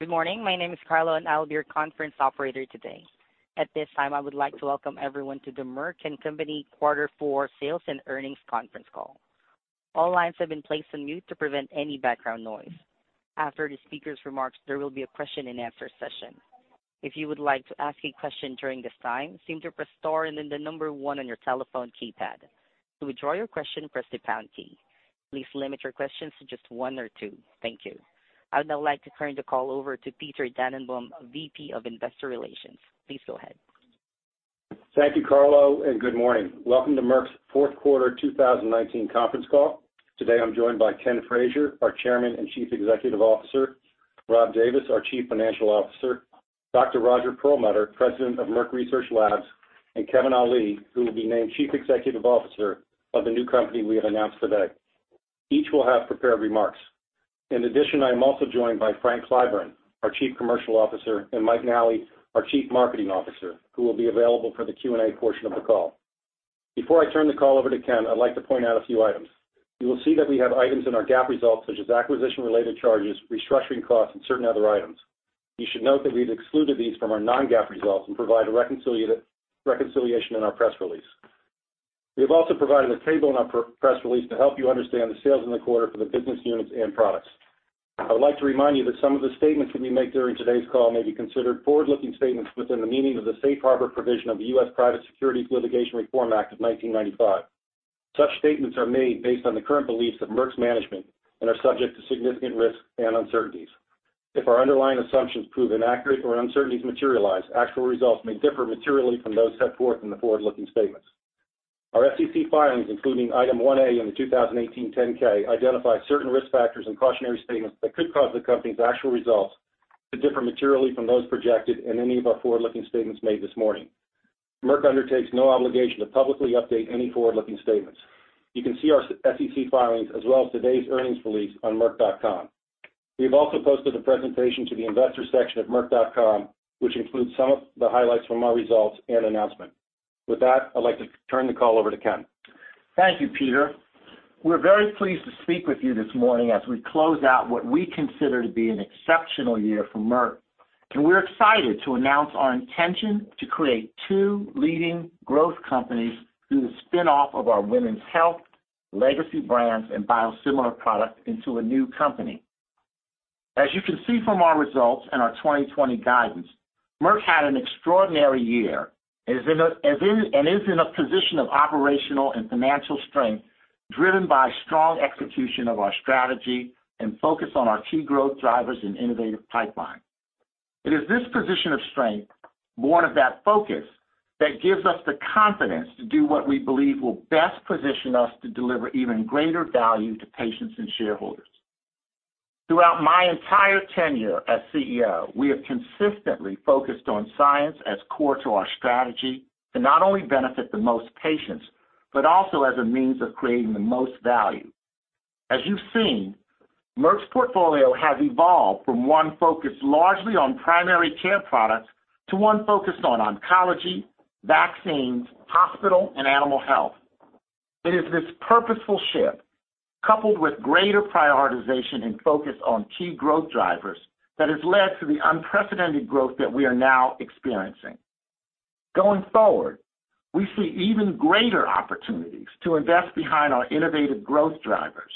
Good morning. My name is Carlo, and I'll be your conference operator today. At this time, I would like to welcome everyone to the Merck & Co. Quarter Four Sales and Earnings Conference Call. All lines have been placed on mute to prevent any background noise. After the speaker's remarks, there will be a question and answer session. If you would like to ask a question during this time, simply press star and then the number one on your telephone keypad. To withdraw your question, press the pound key. Please limit your questions to just one or two. Thank you. I would now like to turn the call over to Peter Dannenbaum, Vice President, Investor Relations. Please go ahead. Thank you, Carlo. Good morning. Welcome to Merck's fourth quarter 2019 conference call. Today I'm joined by Ken Frazier, our Chairman and Chief Executive Officer; Rob Davis, our Chief Financial Officer; Dr. Roger Perlmutter, President of Merck Research Labs; and Kevin Ali, who will be named Chief Executive Officer of the new company we have announced today. Each will have prepared remarks. In addition, I am also joined by Frank Clyburn, our Chief Commercial Officer, and Mike Nally, our Chief Marketing Officer, who will be available for the Q&A portion of the call. Before I turn the call over to Ken, I'd like to point out a few items. You will see that we have items in our GAAP results such as acquisition-related charges, restructuring costs, and certain other items. You should note that we've excluded these from our non-GAAP results and provide a reconciliation in our press release. We have also provided a table in our press release to help you understand the sales in the quarter for the business units and products. I would like to remind you that some of the statements that we make during today's call may be considered forward-looking statements within the meaning of the Safe Harbor provision of the U.S. Private Securities Litigation Reform Act of 1995. Such statements are made based on the current beliefs of Merck's management and are subject to significant risks and uncertainties. If our underlying assumptions prove inaccurate or uncertainties materialize, actual results may differ materially from those set forth in the forward-looking statements. Our SEC filings, including Item 1A in the 2018 10-K, identify certain risk factors and cautionary statements that could cause the company's actual results to differ materially from those projected in any of our forward-looking statements made this morning. Merck undertakes no obligation to publicly update any forward-looking statements. You can see our SEC filings as well as today's earnings release on merck.com. We have also posted the presentation to the investor section of merck.com, which includes some of the highlights from our results and announcement. With that, I'd like to turn the call over to Ken. Thank you, Peter. We're very pleased to speak with you this morning as we close out what we consider to be an exceptional year for Merck. We're excited to announce our intention to create two leading growth companies through the spinoff of our women's health, legacy brands, and biosimilar products into a new company. As you can see from our results and our 2020 guidance, Merck had an extraordinary year and is in a position of operational and financial strength, driven by strong execution of our strategy and focus on our key growth drivers and innovative pipeline. It is this position of strength, born of that focus, that gives us the confidence to do what we believe will best position us to deliver even greater value to patients and shareholders. Throughout my entire tenure as CEO, we have consistently focused on science as core to our strategy to not only benefit the most patients but also as a means of creating the most value. As you've seen, Merck's portfolio has evolved from one focused largely on primary care products to one focused on oncology, vaccines, hospitals, and animal health. It is this purposeful shift, coupled with greater prioritization and focus on key growth drivers, that has led to the unprecedented growth that we are now experiencing. Going forward, we see even greater opportunities to invest behind our innovative growth drivers.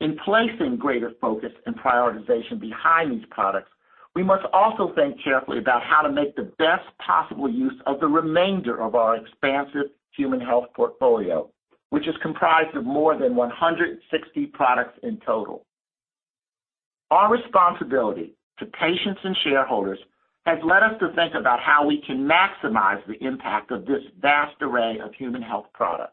In placing greater focus and prioritization behind these products, we must also think carefully about how to make the best possible use of the remainder of our expansive human health portfolio, which is comprised of more than 160 products in total. Our responsibility to patients and shareholders has led us to think about how we can maximize the impact of this vast array of human health products.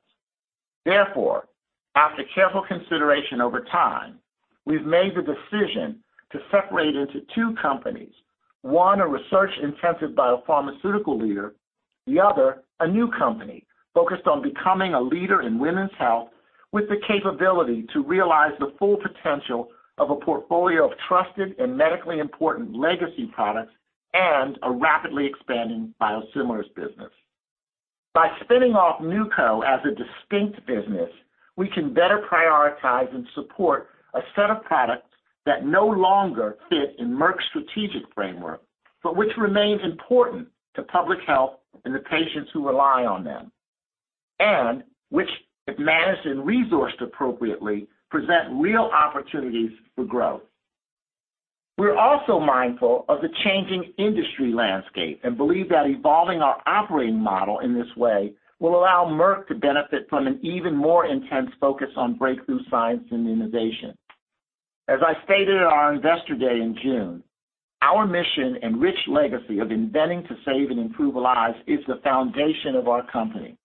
Therefore, after careful consideration over time, we've made the decision to separate into two companies. One, a research-intensive biopharmaceutical leader. The other, a new company focused on becoming a leader in women's health, has the capability to realize the full potential of a portfolio of trusted and medically important legacy products and a rapidly expanding biosimilars business. By spinning off NewCo as a distinct business, we can better prioritize and support a set of products that no longer fit in Merck's strategic framework but which remain important to public health and the patients who rely on them and which, if managed and resourced appropriately, present real opportunities for growth. We're also mindful of the changing industry landscape and believe that evolving our operating model in this way will allow Merck to benefit from an even more intense focus on breakthrough science and innovation. As I stated at our investor day in June, our mission and rich legacy of inventing to save and improve lives are the foundation of our company.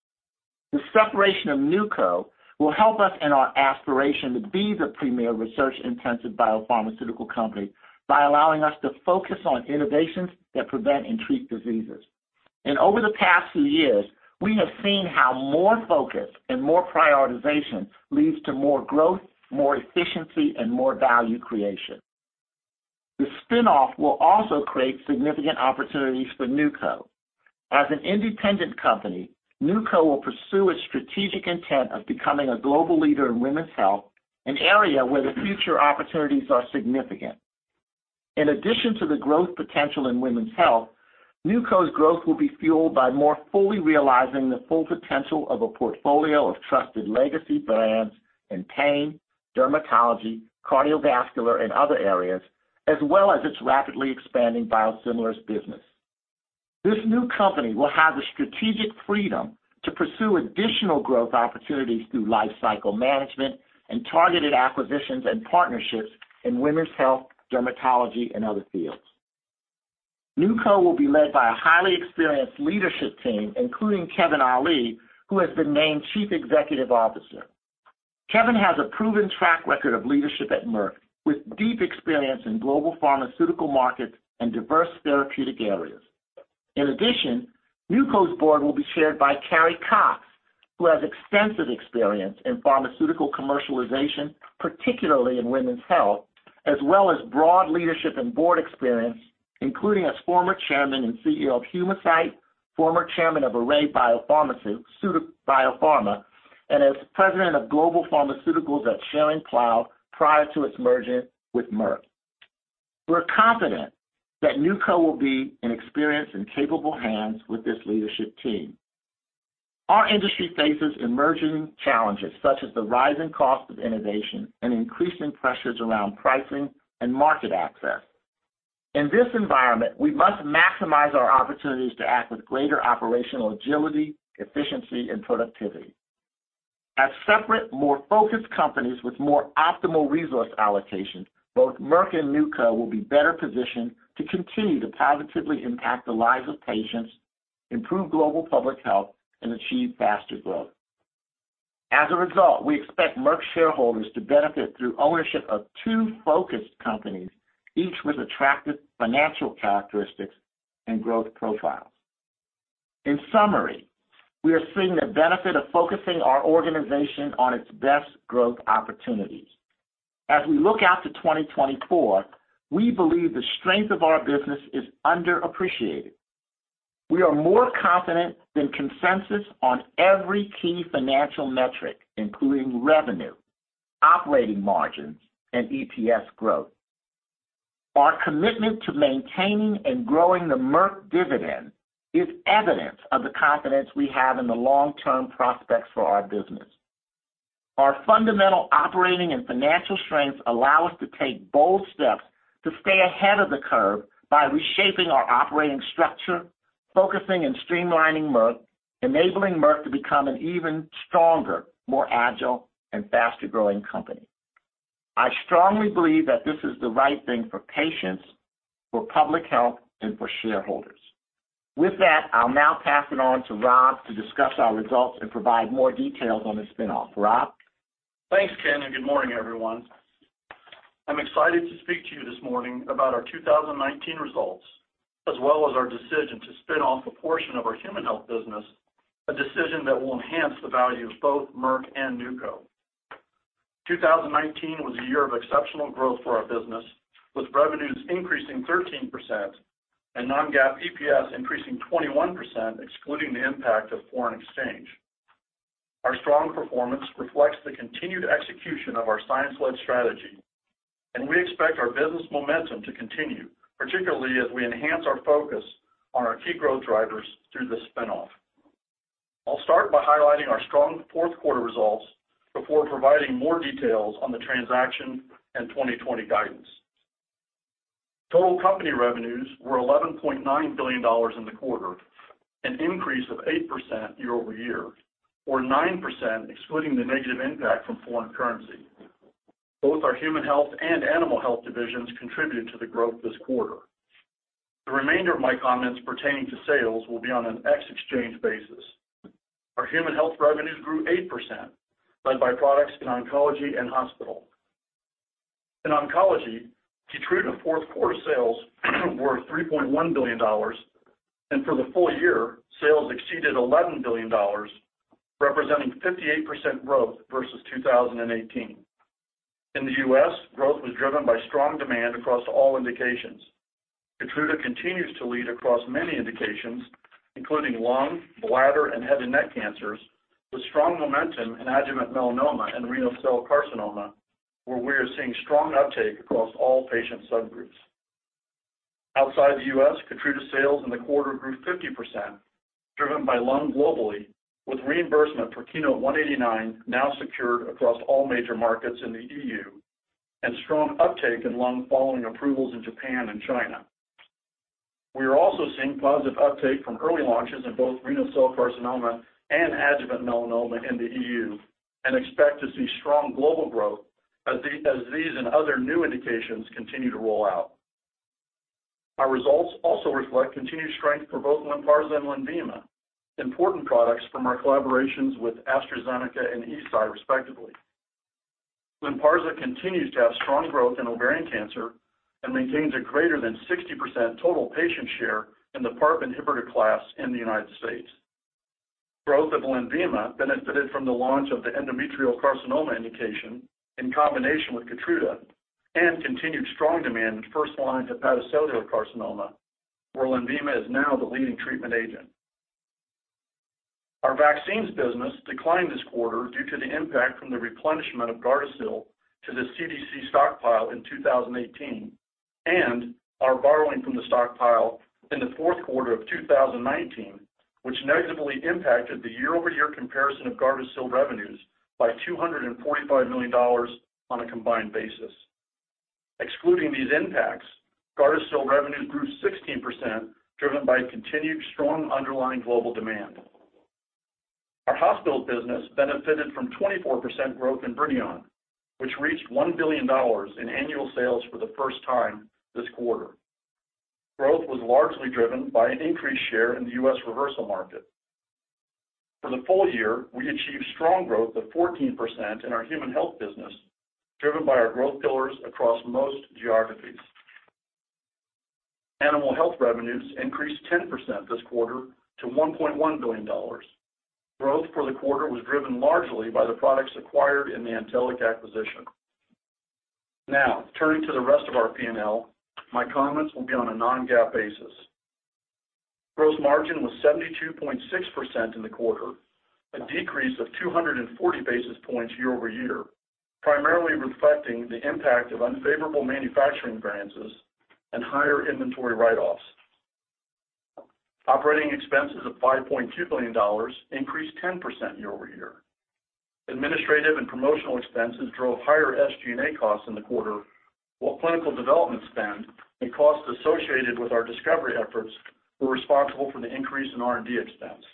The separation of NewCo will help us in our aspiration to be the premier research-intensive biopharmaceutical company by allowing us to focus on innovations that prevent and treat diseases. Over the past few years, we have seen how more focus and more prioritization lead to more growth, more efficiency, and more value creation. The spinoff will also create significant opportunities for NewCo. As an independent company, NewCo will pursue its strategic intent of becoming a global leader in women's health, an area where the future opportunities are significant. In addition to the growth potential in women's health, NewCo's growth will be fueled by more fully realizing the full potential of a portfolio of trusted legacy brands in pain, dermatology, cardiovascular, and other areas, as well as its rapidly expanding biosimilars business. This new company will have the strategic freedom to pursue additional growth opportunities through life cycle management and targeted acquisitions and partnerships in women's health, dermatology, and other fields. NewCo will be led by a highly experienced leadership team, including Kevin Ali, who has been named Chief Executive Officer. Kevin has a proven track record of leadership at Merck, with deep experience in global pharmaceutical markets and diverse therapeutic areas. In addition, NewCo's board will be chaired by Carrie Cox, who has extensive experience in pharmaceutical commercialization, particularly in women's health, as well as broad leadership and board experience, including as former Chairman and CEO of Humacyte, former Chairman of Array BioPharma, and as President of Global Pharmaceuticals at Schering-Plough prior to its merger with Merck. We're confident that NewCo will be in experienced and capable hands with this leadership team. Our industry faces emerging challenges such as the rising cost of innovation and increasing pressures around pricing and market access. In this environment, we must maximize our opportunities to act with greater operational agility, efficiency, and productivity. As separate, more focused companies with more optimal resource allocation, both Merck and NewCo will be better positioned to continue to positively impact the lives of patients, improve global public health, and achieve faster growth. We expect Merck shareholders to benefit through ownership of two focused companies, each with attractive financial characteristics and growth profiles. We are seeing the benefit of focusing our organization on its best growth opportunities. As we look out to 2024, we believe the strength of our business is underappreciated. We are more confident than the consensus on every key financial metric, including revenue, operating margins, and EPS growth. Our commitment to maintaining and growing the Merck dividend is evidence of the confidence we have in the long-term prospects for our business. Our fundamental operating and financial strengths allow us to take bold steps to stay ahead of the curve by reshaping our operating structure, focusing on and streamlining Merck, enabling Merck to become an even stronger, more agile, and faster-growing company. I strongly believe that this is the right thing for patients, for public health, and for shareholders. With that, I'll now pass it on to Rob to discuss our results and provide more details on the spin-off. Rob? Thanks, Ken, and good morning, everyone. I'm excited to speak to you this morning about our 2019 results, as well as our decision to spin off a portion of our Human Health business, a decision that will enhance the value of both Merck and NewCo. 2019 was a year of exceptional growth for our business, with revenues increasing 13% and non-GAAP EPS increasing 21%, excluding the impact of foreign exchange. Our strong performance reflects the continued execution of our science-led strategy, and we expect our business momentum to continue, particularly as we enhance our focus on our key growth drivers through the spin-off. I'll start by highlighting our strong fourth quarter results before providing more details on the transaction and 2020 guidance. Total company revenues were $11.9 billion in the quarter, an increase of 8% year-over-year, or 9% excluding the negative impact from foreign currency. Both our Human Health and Animal Health divisions contributed to the growth this quarter. The remainder of my comments pertaining to sales will be on an ex-exchange basis. Our Human Health revenues grew 8%, led by products in oncology and hospitals. In oncology, KEYTRUDA fourth quarter sales were $3.1 billion, and for the full year, sales exceeded $11 billion, representing 58% growth versus 2018. In the U.S., growth was driven by strong demand across all indications. KEYTRUDA continues to lead across many indications, including lung, bladder, and head and neck cancers, with strong momentum in adjuvant melanoma and renal cell carcinoma, where we are seeing strong uptake across all patient subgroups. Outside the U.S., KEYTRUDA sales in the quarter grew 50%, driven by lung globally, with reimbursement for KEYNOTE-189 now secured across all major markets in the EU and strong uptake in lung following approvals in Japan and China. We are also seeing positive uptake from early launches in both renal cell carcinoma and adjuvant melanoma in the EU and expect to see strong global growth as these and other new indications continue to roll out. Our results also reflect continued strength for both LYNPARZA and LENVIMA, important products from our collaborations with AstraZeneca and Eisai, respectively. LYNPARZA continues to have strong growth in ovarian cancer and maintains a greater than 60% total patient share in the PARP inhibitor class in the United States. Growth of LENVIMA benefited from the launch of the endometrial carcinoma indication in combination with KEYTRUDA and continued strong demand in first-line hepatocellular carcinoma, where LENVIMA is now the leading treatment agent. Our vaccines business declined this quarter due to the impact from the replenishment of GARDASIL to the CDC stockpile in 2018, and our borrowing from the stockpile in the fourth quarter of 2019, which negatively impacted the year-over-year comparison of GARDASIL revenues by $245 million on a combined basis. Excluding these impacts, GARDASIL revenues grew 16%, driven by continued strong underlying global demand. Our hospital business benefited from 24% growth in BRIDION, which reached $1 billion in annual sales for the first time this quarter. Growth was largely driven by an increased share in the U.S. reversal market. For the full year, we achieved strong growth of 14% in our Human Health business, driven by our growth pillars across most geographies. Animal Health revenues increased 10% this quarter to $1.1 billion. Growth for the quarter was driven largely by the products acquired in the Antelliq acquisition. Turning to the rest of our P&L, my comments will be on a non-GAAP basis. Gross margin was 72.6% in the quarter, a decrease of 240 basis points year-over-year, primarily reflecting the impact of unfavorable manufacturing variances and higher inventory write-offs. Operating expenses of $5.2 billion increased 10% year-over-year. Administrative and promotional expenses drove higher SG&A costs in the quarter, while clinical development spend and costs associated with our discovery efforts were responsible for the increase in R&D expense.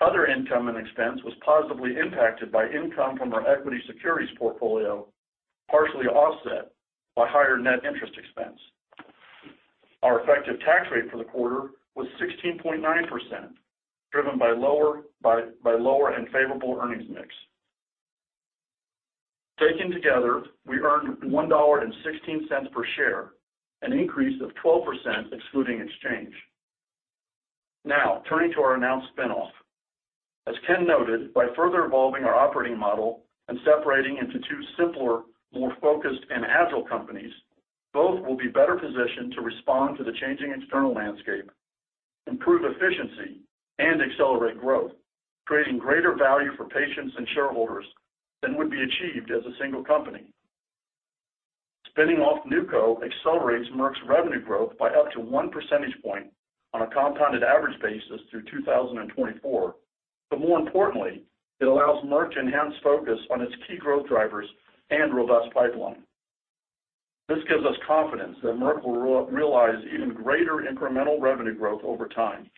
Other income and expense were positively impacted by income from our equity securities portfolio, partially offset by higher net interest expense. Our effective tax rate for the quarter was 16.9%, driven by a lower and favorable earnings mix. Taken together, we earned $1.16 per share, an increase of 12%, excluding exchange. Turning to our announced spin-off. As Ken noted, by further evolving our operating model and separating into two simpler, more focused, and agile companies, both will be better positioned to respond to the changing external landscape, improve efficiency, and accelerate growth, creating greater value for patients and shareholders than would be achieved as a single company. Spinning off NewCo accelerates Merck's revenue growth by up to one percentage point on a compounded average basis through 2024, but more importantly, it allows Merck to enhance its focus on its key growth drivers and robust pipeline. This gives us confidence that Merck will realize even greater incremental revenue growth over time.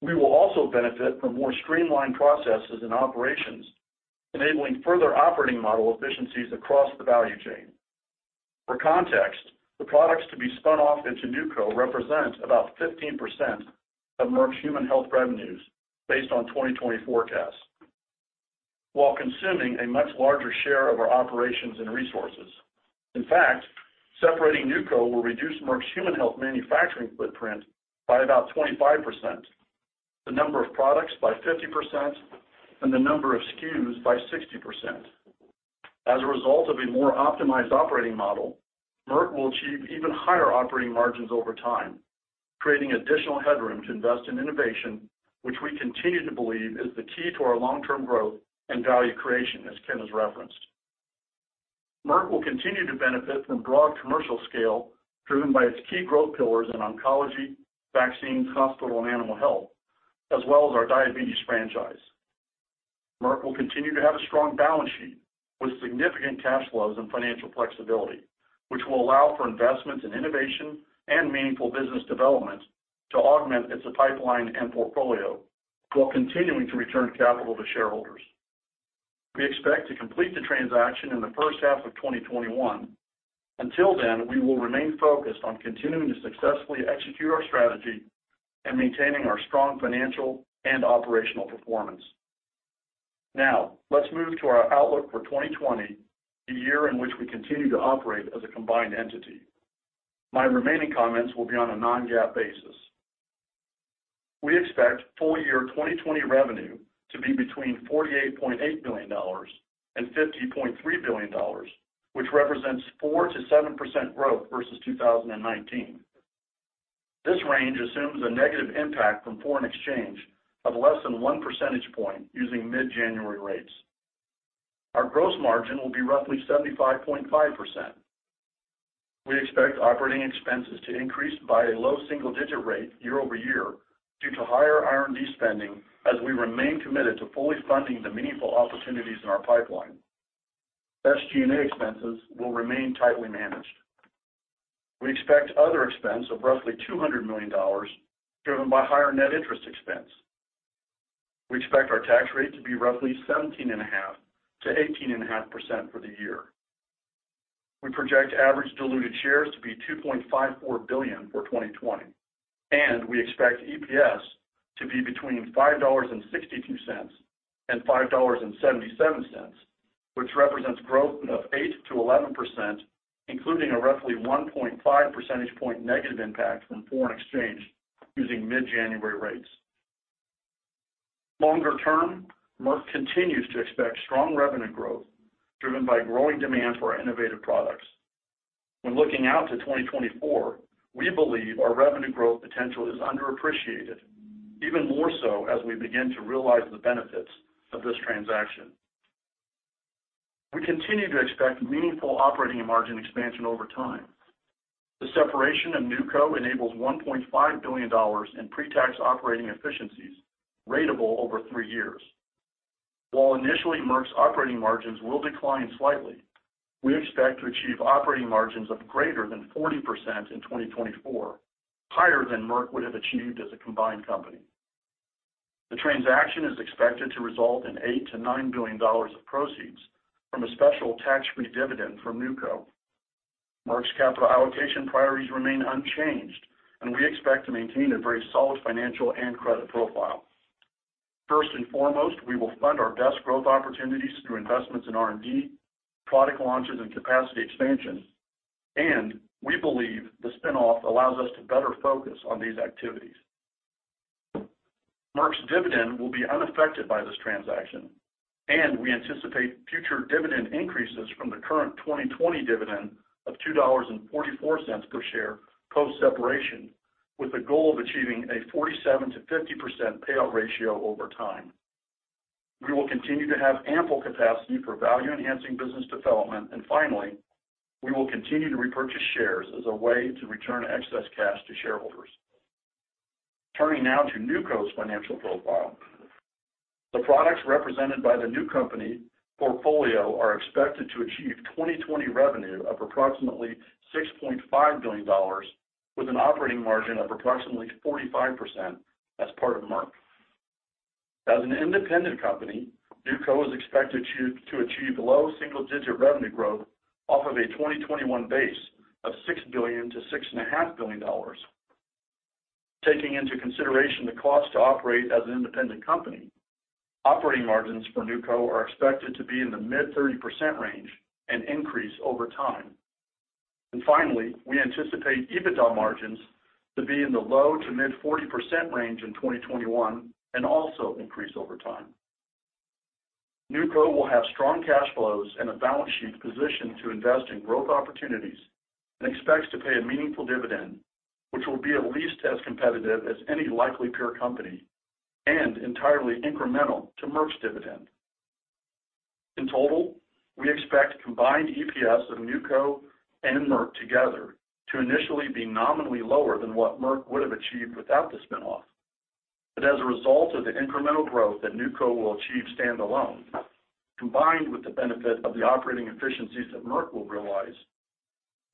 We will also benefit from more streamlined processes and operations, enabling further operating model efficiencies across the value chain. For context, the products to be spun off into NewCo represent about 15% of Merck's Human Health revenues based on 2020 forecasts, while consuming a much larger share of our operations and resources. In fact, separating NewCo will reduce Merck's Human Health manufacturing footprint by about 25%, the number of products by 50%, and the number of SKUs by 60%. As a result of a more optimized operating model, Merck will achieve even higher operating margins over time, creating additional headroom to invest in innovation, which we continue to believe is the key to our long-term growth and value creation, as Ken has referenced. Merck will continue to benefit from broad commercial scale driven by its key growth pillars in oncology, vaccines, hospital, and Animal Health, as well as our diabetes franchise. Merck will continue to have a strong balance sheet with significant cash flows and financial flexibility, which will allow for investments in innovation and meaningful business development to augment its pipeline and portfolio while continuing to return capital to shareholders. We expect to complete the transaction in the first half of 2021. Until then, we will remain focused on continuing to successfully execute our strategy and maintaining our strong financial and operational performance. Let's move to our outlook for 2020, a year in which we continue to operate as a combined entity. My remaining comments will be on a non-GAAP basis. We expect full-year 2020 revenue to be between $48.8 billion and $50.3 billion, which represents 4% to 7% growth versus 2019. This range assumes a negative impact from foreign exchange of less than one percentage point using mid-January rates. Our gross margin will be roughly 75.5%. We expect operating expenses to increase by a low single-digit rate year-over-year due to higher R&D spending as we remain committed to fully funding the meaningful opportunities in our pipeline. SG&A expenses will remain tightly managed. We expect another expense of roughly $200 million, driven by higher net interest expense. We expect our tax rate to be roughly 17.5%-18.5% for the year. We project average diluted shares to be $2.54 billion for 2020, and we expect EPS to be between $5.62 and $5.77, which represents growth of 8%-11%, including a roughly 1.5 percentage point negative impact from foreign exchange using mid-January rates. Longer term, Merck continues to expect strong revenue growth, driven by growing demand for our innovative products. When looking out to 2024, we believe our revenue growth potential is underappreciated, even more so as we begin to realize the benefits of this transaction. We continue to expect meaningful operating margin expansion over time. The separation of NewCo enables $1.5 billion in pre-tax operating efficiencies, ratable over three years. While initially Merck's operating margins will decline slightly, we expect to achieve operating margins of greater than 40% in 2024, higher than Merck would have achieved as a combined company. The transaction is expected to result in $8 billion-$9 billion of proceeds from a special tax-free dividend from NewCo. Merck's capital allocation priorities remain unchanged, and we expect to maintain a very solid financial and credit profile. First and foremost, we will fund our best growth opportunities through investments in R&D, product launches, and capacity expansion, and we believe the spin-off allows us to better focus on these activities. Merck's dividend will be unaffected by this transaction, and we anticipate future dividend increases from the current 2020 dividend of $2.44 per share post-separation, with the goal of achieving a 47%-50% payout ratio over time. We will continue to have ample capacity for value-enhancing business development, and finally, we will continue to repurchase shares as a way to return excess cash to shareholders. Turning now to NewCo's financial profile. The products represented by the new company portfolio are expected to achieve 2020 revenue of approximately $6.5 billion, with an operating margin of approximately 45% as part of Merck. As an independent company, NewCo is expected to achieve low single-digit revenue growth off of a 2021 base of $6 billion-$6.5 billion. Taking into consideration the cost to operate as an independent company, operating margins for NewCo are expected to be in the mid-30% range and increase over time. Finally, we anticipate EBITDA margins to be in the low to mid-40% range in 2021 and also increase over time. NewCo will have strong cash flows and a balance sheet positioned to invest in growth opportunities and expects to pay a meaningful dividend, which will be at least as competitive as any likely peer company and entirely incremental to Merck's dividend. In total, we expect combined EPS of NewCo and Merck together to initially be nominally lower than what Merck would have achieved without the spin-off. As a result of the incremental growth that NewCo will achieve stand-alone, combined with the benefit of the operating efficiencies that Merck will realize,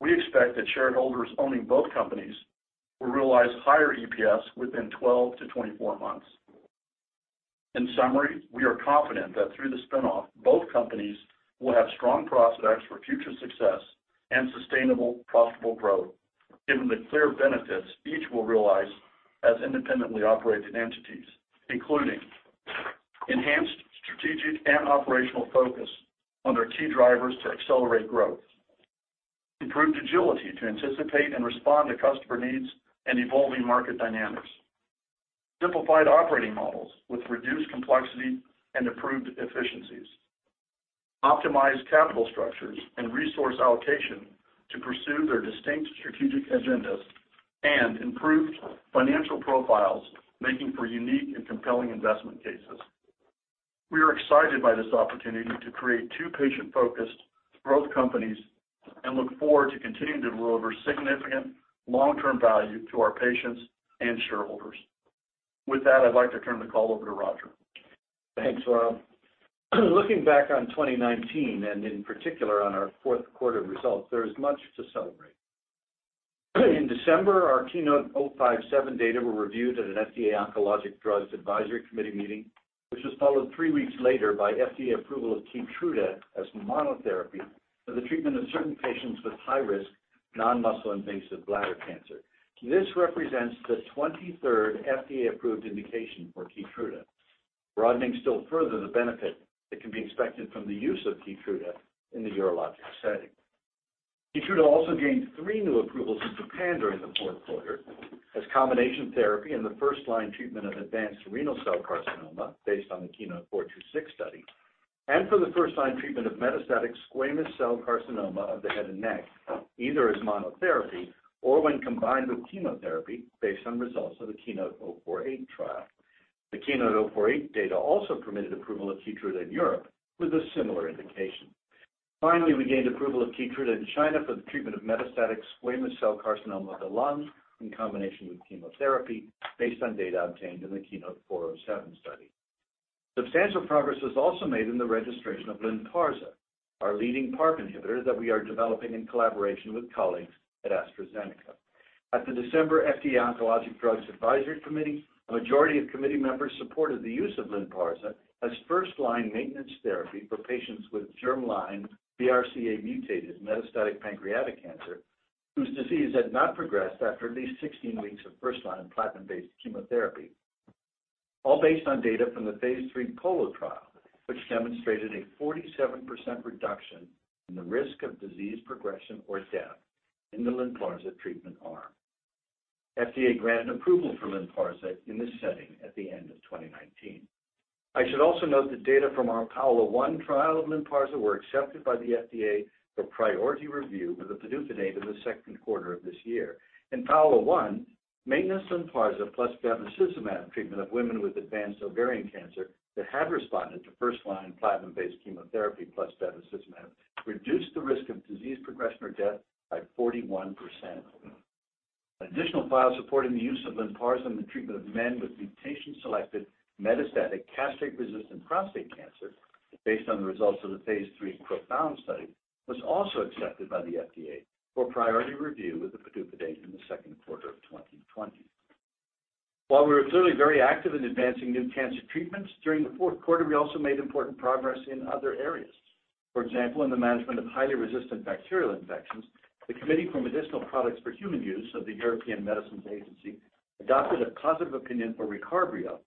we expect that shareholders owning both companies will realize higher EPS within 12-24 months. In summary, we are confident that through the spin-off, both companies will have strong prospects for future success and sustainable profitable growth, given the clear benefits each will realize as independently operated entities, including enhanced strategic and operational focus on their key drivers to accelerate growth, improved agility to anticipate and respond to customer needs and evolving market dynamics, simplified operating models with reduced complexity and improved efficiencies, optimized capital structures and resource allocation to pursue their distinct strategic agendas, and improved financial profiles making for unique and compelling investment cases. We are excited by this opportunity to create two patient-focused growth companies and look forward to continuing to deliver significant long-term value to our patients and shareholders. With that, I'd like to turn the call over to Roger. Thanks, Rob. Looking back on 2019, and in particular on our fourth quarter results, there is much to celebrate. In December, our KEYNOTE-057 data were reviewed at an FDA Oncologic Drugs Advisory Committee meeting, which was followed three weeks later by FDA approval of KEYTRUDA as monotherapy for the treatment of certain patients with high-risk non-muscle invasive bladder cancer. This represents the 23rd FDA-approved indication for KEYTRUDA, broadening still further the benefit that can be expected from the use of KEYTRUDA in the urologic setting. KEYTRUDA also gained three new approvals in Japan during the fourth quarter as combination therapy in the first-line treatment of advanced renal cell carcinoma based on the KEYNOTE-426 study and for the first-line treatment of metastatic squamous cell carcinoma of the head and neck, either as monotherapy or when combined with chemotherapy, based on results of the KEYNOTE-048 trial. The KEYNOTE-048 data also permitted approval of KEYTRUDA in Europe with a similar indication. We gained approval of KEYTRUDA in China for the treatment of metastatic squamous cell carcinoma of the lung in combination with chemotherapy based on data obtained in the KEYNOTE-407 study. Substantial progress was also made in the registration of LYNPARZA, our leading PARP inhibitor that we are developing in collaboration with colleagues at AstraZeneca. At the December FDA Oncologic Drugs Advisory Committee, a majority of committee members supported the use of LYNPARZA as first-line maintenance therapy for patients with germline BRCA-mutated metastatic pancreatic cancer whose disease had not progressed after at least 16 weeks of first-line platinum-based chemotherapy. All based on data from the phase III POLO trial, which demonstrated a 47% reduction in the risk of disease progression or death in the LYNPARZA treatment arm. FDA granted approval for KEYTRUDA in this setting at the end of 2019. I should also note that data from our PAOLA-1 trial of LYNPARZA were accepted by the FDA for priority review with the PDUFA date in the second quarter of this year. In PAOLA-1, maintenance LYNPARZA plus bevacizumab treatment of women with advanced ovarian cancer that had responded to first-line platinum-based chemotherapy plus bevacizumab reduced the risk of disease progression or death by 41%. An additional file supporting the use of LYNPARZA in the treatment of men with mutation-selected metastatic castrate-resistant prostate cancer based on the results of the phase III PROfound study was also accepted by the FDA for priority review with the PDUFA date in the second quarter of 2020. While we were clearly very active in advancing new cancer treatments during the fourth quarter, we also made important progress in other areas. For example, in the management of highly resistant bacterial infections, the Committee for Medicinal Products for Human Use of the European Medicines Agency adopted a positive opinion for RECARBRIO,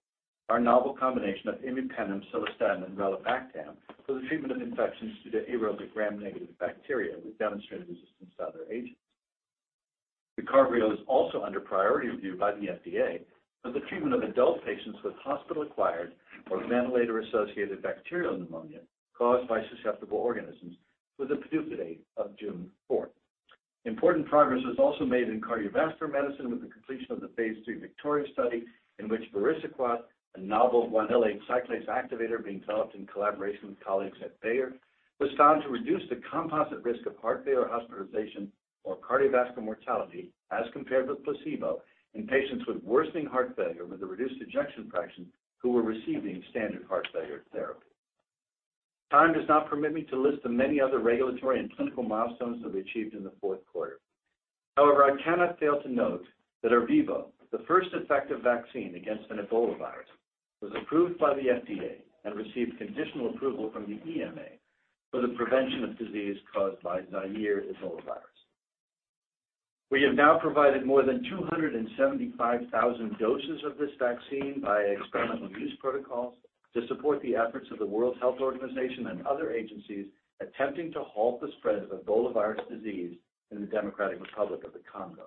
our novel combination of imipenem, cilastatin, and relebactam for the treatment of infections due to aerobic Gram-negative bacteria with demonstrated resistance to other agents. RECARBRIO is also under priority review by the FDA for the treatment of adult patients with hospital-acquired or ventilator-associated bacterial pneumonia caused by susceptible organisms with a PDUFA date of June 4. Important progress was also made in cardiovascular medicine with the completion of the phase III VICTORIA study, in which vericiguat, a novel guanylate cyclase activator being developed in collaboration with colleagues at Bayer, was found to reduce the composite risk of heart failure hospitalization or cardiovascular mortality as compared with placebo in patients with worsening heart failure with a reduced ejection fraction who were receiving standard heart failure therapy. Time does not permit me to list the many other regulatory and clinical milestones that we achieved in the fourth quarter. I cannot fail to note that ERVEBO, the first effective vaccine against an Ebola virus, was approved by the FDA and received conditional approval from the EMA for the prevention of disease caused by Zaire ebolavirus. We have now provided more than 275,000 doses of this vaccine by experimental use protocols to support the efforts of the World Health Organization and other agencies attempting to halt the spread of Ebola virus disease in the Democratic Republic of the Congo.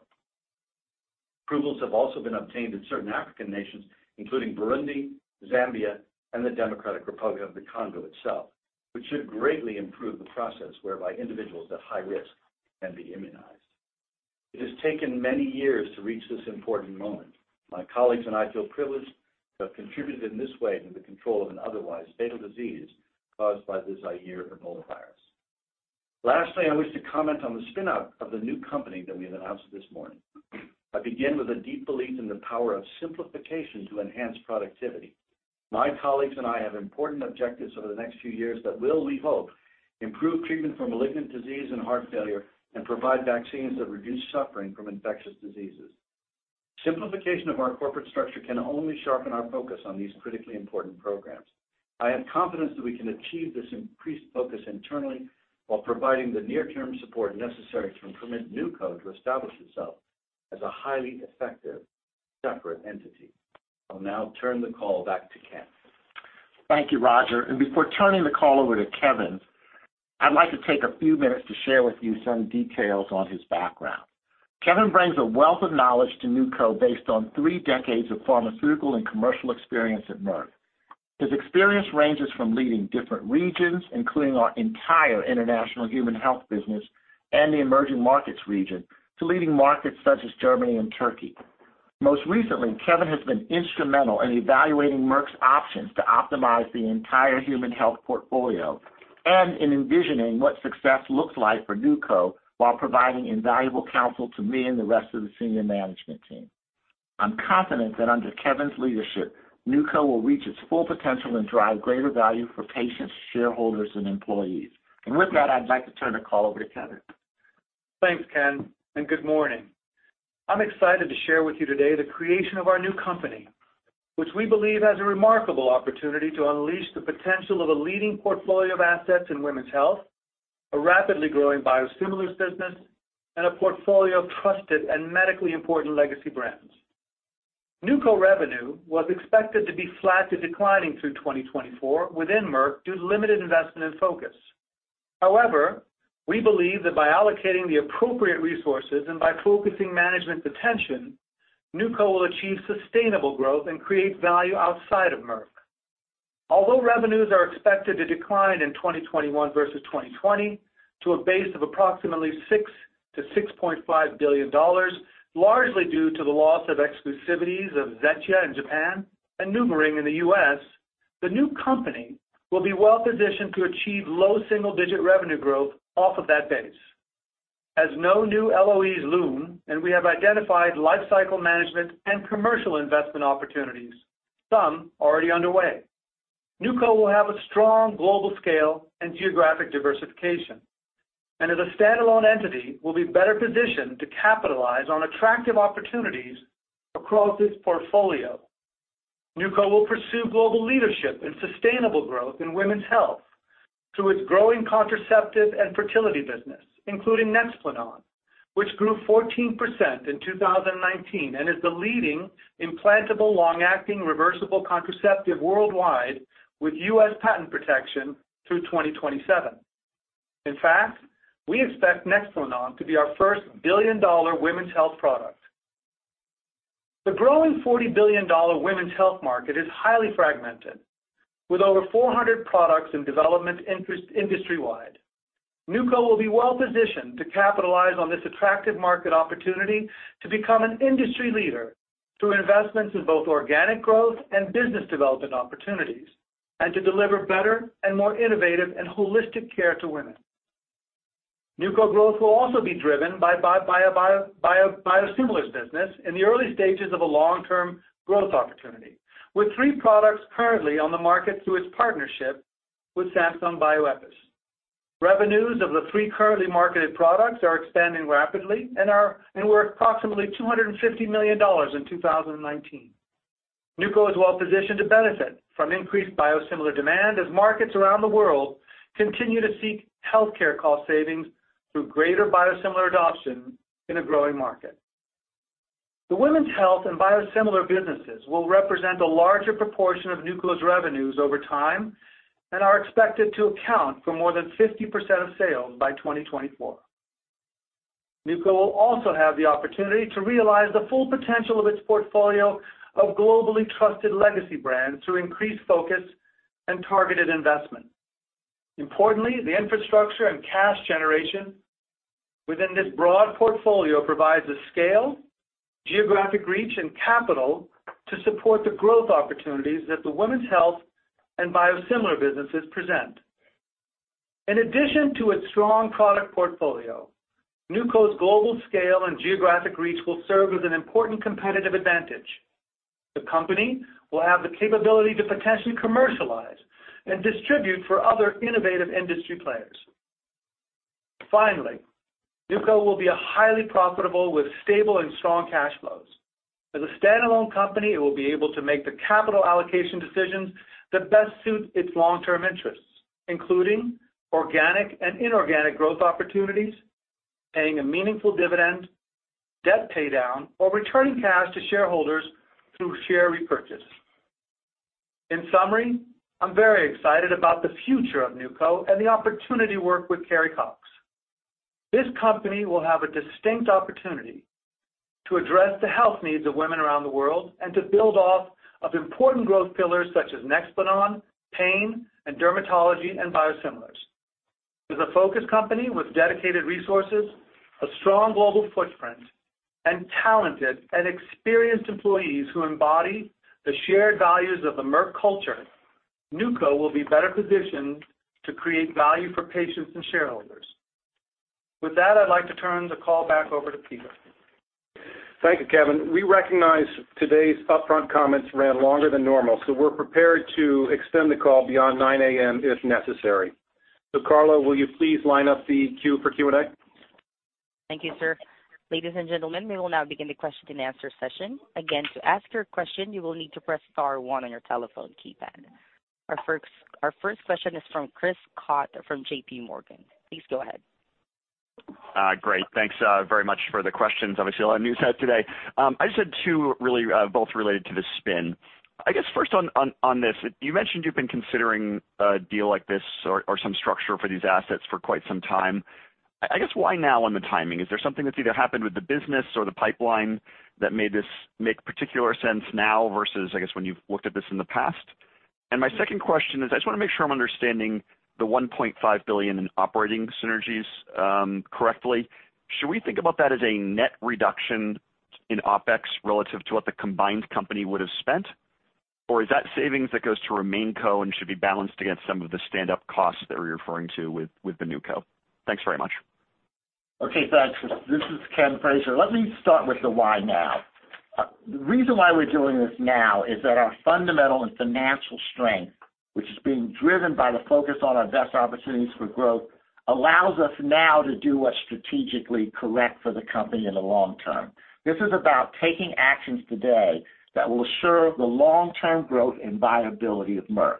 Approvals have also been obtained in certain African nations, including Burundi, Zambia, and the Democratic Republic of the Congo itself, which should greatly improve the process whereby individuals at high risk can be immunized. It has taken many years to reach this important moment. My colleagues and I feel privileged to have contributed in this way to the control of an otherwise fatal disease caused by this Zaire ebolavirus. Lastly, I wish to comment on the spin-out of the new company that we have announced this morning. I begin with a deep belief in the power of simplification to enhance productivity. My colleagues and I have important objectives over the next few years that will, we hope, improve treatment for malignant disease and heart failure and provide vaccines that reduce suffering from infectious diseases. Simplification of our corporate structure can only sharpen our focus on these critically important programs. I have confidence that we can achieve this increased focus internally while providing the near-term support necessary to permit NewCo to establish itself as a highly effective, separate entity. I'll now turn the call back to Ken. Thank you, Roger. Before turning the call over to Kevin, I'd like to take a few minutes to share with you some details on his background. Kevin brings a wealth of knowledge to NewCo based on three decades of pharmaceutical and commercial experience at Merck. His experience ranges from leading different regions, including our entire international human health business and the emerging markets region, to leading markets such as Germany and Turkey. Most recently, Kevin has been instrumental in evaluating Merck's options to optimize the entire human health portfolio and in envisioning what success looks like for NewCo while providing invaluable counsel to me and the rest of the senior management team. I'm confident that under Kevin's leadership, NewCo will reach its full potential and drive greater value for patients, shareholders, and employees. With that, I'd like to turn the call over to Kevin. Thanks, Ken. Good morning. I'm excited to share with you today the creation of our new company, which we believe has a remarkable opportunity to unleash the potential of a leading portfolio of assets in women's health, a rapidly growing biosimilars business, and a portfolio of trusted and medically important legacy brands. NewCo revenue was expected to be flat to declining through 2024 within Merck due to limited investment and focus. We believe that by allocating the appropriate resources and by focusing management's attention, NewCo will achieve sustainable growth and create value outside of Merck. Revenues are expected to decline in 2021 versus 2020 to a base of approximately $6 billion-$6.5 billion, largely due to the loss of exclusivities of ZETIA in Japan and NuvaRing in the U.S.; the new company will be well-positioned to achieve low single-digit revenue growth off of that base. As no new LOEs loom and we have identified life cycle management and commercial investment opportunities, some already underway, NewCo will have a strong global scale and geographic diversification and, as a standalone entity, will be better positioned to capitalize on attractive opportunities across this portfolio. NewCo will pursue global leadership and sustainable growth in women's health. To its growing contraceptive and fertility business, including NEXPLANON, which grew 14% in 2019 and is the leading implantable long-acting reversible contraceptive worldwide with U.S. patent protection through 2027. In fact, we expect NEXPLANON to be our first billion-dollar women's health product. The growing $40 billion women's health market is highly fragmented, with over 400 products in development industry-wide. NewCo will be well-positioned to capitalize on this attractive market opportunity to become an industry leader through investments in both organic growth and business development opportunities and to deliver better and more innovative and holistic care to women. NewCo growth will also be driven by a biosimilars business in the early stages of a long-term growth opportunity, with three products currently on the market through its partnership with Samsung Bioepis. Revenues of the three currently marketed products are expanding rapidly and were approximately $250 million in 2019. NewCo is well-positioned to benefit from increased biosimilar demand as markets around the world continue to seek healthcare cost savings through greater biosimilar adoption in a growing market. The women's health and biosimilar businesses will represent a larger proportion of NewCo's revenues over time and are expected to account for more than 50% of sales by 2024. NewCo will also have the opportunity to realize the full potential of its portfolio of globally trusted legacy brands through increased focus and targeted investment. Importantly, the infrastructure and cash generation within this broad portfolio provide the scale, geographic reach, and capital to support the growth opportunities that the women's health and biosimilar businesses present. In addition to its strong product portfolio, NewCo's global scale and geographic reach will serve as an important competitive advantage. The company will have the capability to potentially commercialize and distribute for other innovative industry players. Finally, NewCo will be highly profitable with stable and strong cash flows. As a standalone company, it will be able to make the capital allocation decisions that best suit its long-term interests, including organic and inorganic growth opportunities, paying a meaningful dividend, debt paydown, or returning cash to shareholders through share repurchase. In summary, I'm very excited about the future of NewCo and the opportunity to work with Carrie Cox. This company will have a distinct opportunity to address the health needs of women around the world and to build off of important growth pillars such as NEXPLANON, pain, and dermatology and biosimilars. As a focused company with dedicated resources, a strong global footprint, and talented and experienced employees who embody the shared values of the Merck culture, NewCo will be better positioned to create value for patients and shareholders. With that, I'd like to turn the call back over to Peter. Thank you, Kevin. We recognize today's upfront comments ran longer than normal, so we're prepared to extend the call beyond 9:00 A.M. if necessary. Carlo, will you please line up the queue for Q&A? Thank you, sir. Ladies and gentlemen, we will now begin the question and answer session. Again, to ask your question, you will need to press star one on your telephone keypad. Our first question is from Chris Schott from JPMorgan. Please go ahead. Great. Thanks very much for the questions. Obviously, there's a lot of news out today. I just had two, really both related to the spin. I guess first on this, you mentioned you've been considering a deal like this or some structure for these assets for quite some time. I guess, why now on the timing? Is there something that's either happened with the business or the pipeline that made this make particular sense now versus, I guess, when you've looked at this in the past? My second question is, I just want to make sure I'm understanding the $1.5 billion in operating synergies correctly. Should we think about that as a net reduction in OpEx relative to what the combined company would have spent? Is that savings that goes to RemainCo and should be balanced against some of the standup costs that we're referring to with the NewCo? Thanks very much. Okay, thanks. This is Ken Frazier. Let me start with the why now. The reason why we're doing this now is that our fundamental and financial strength, which is being driven by the focus on our best opportunities for growth, allows us now to do what's strategically correct for the company in the long term. This is about taking actions today that will assure the long-term growth and viability of Merck,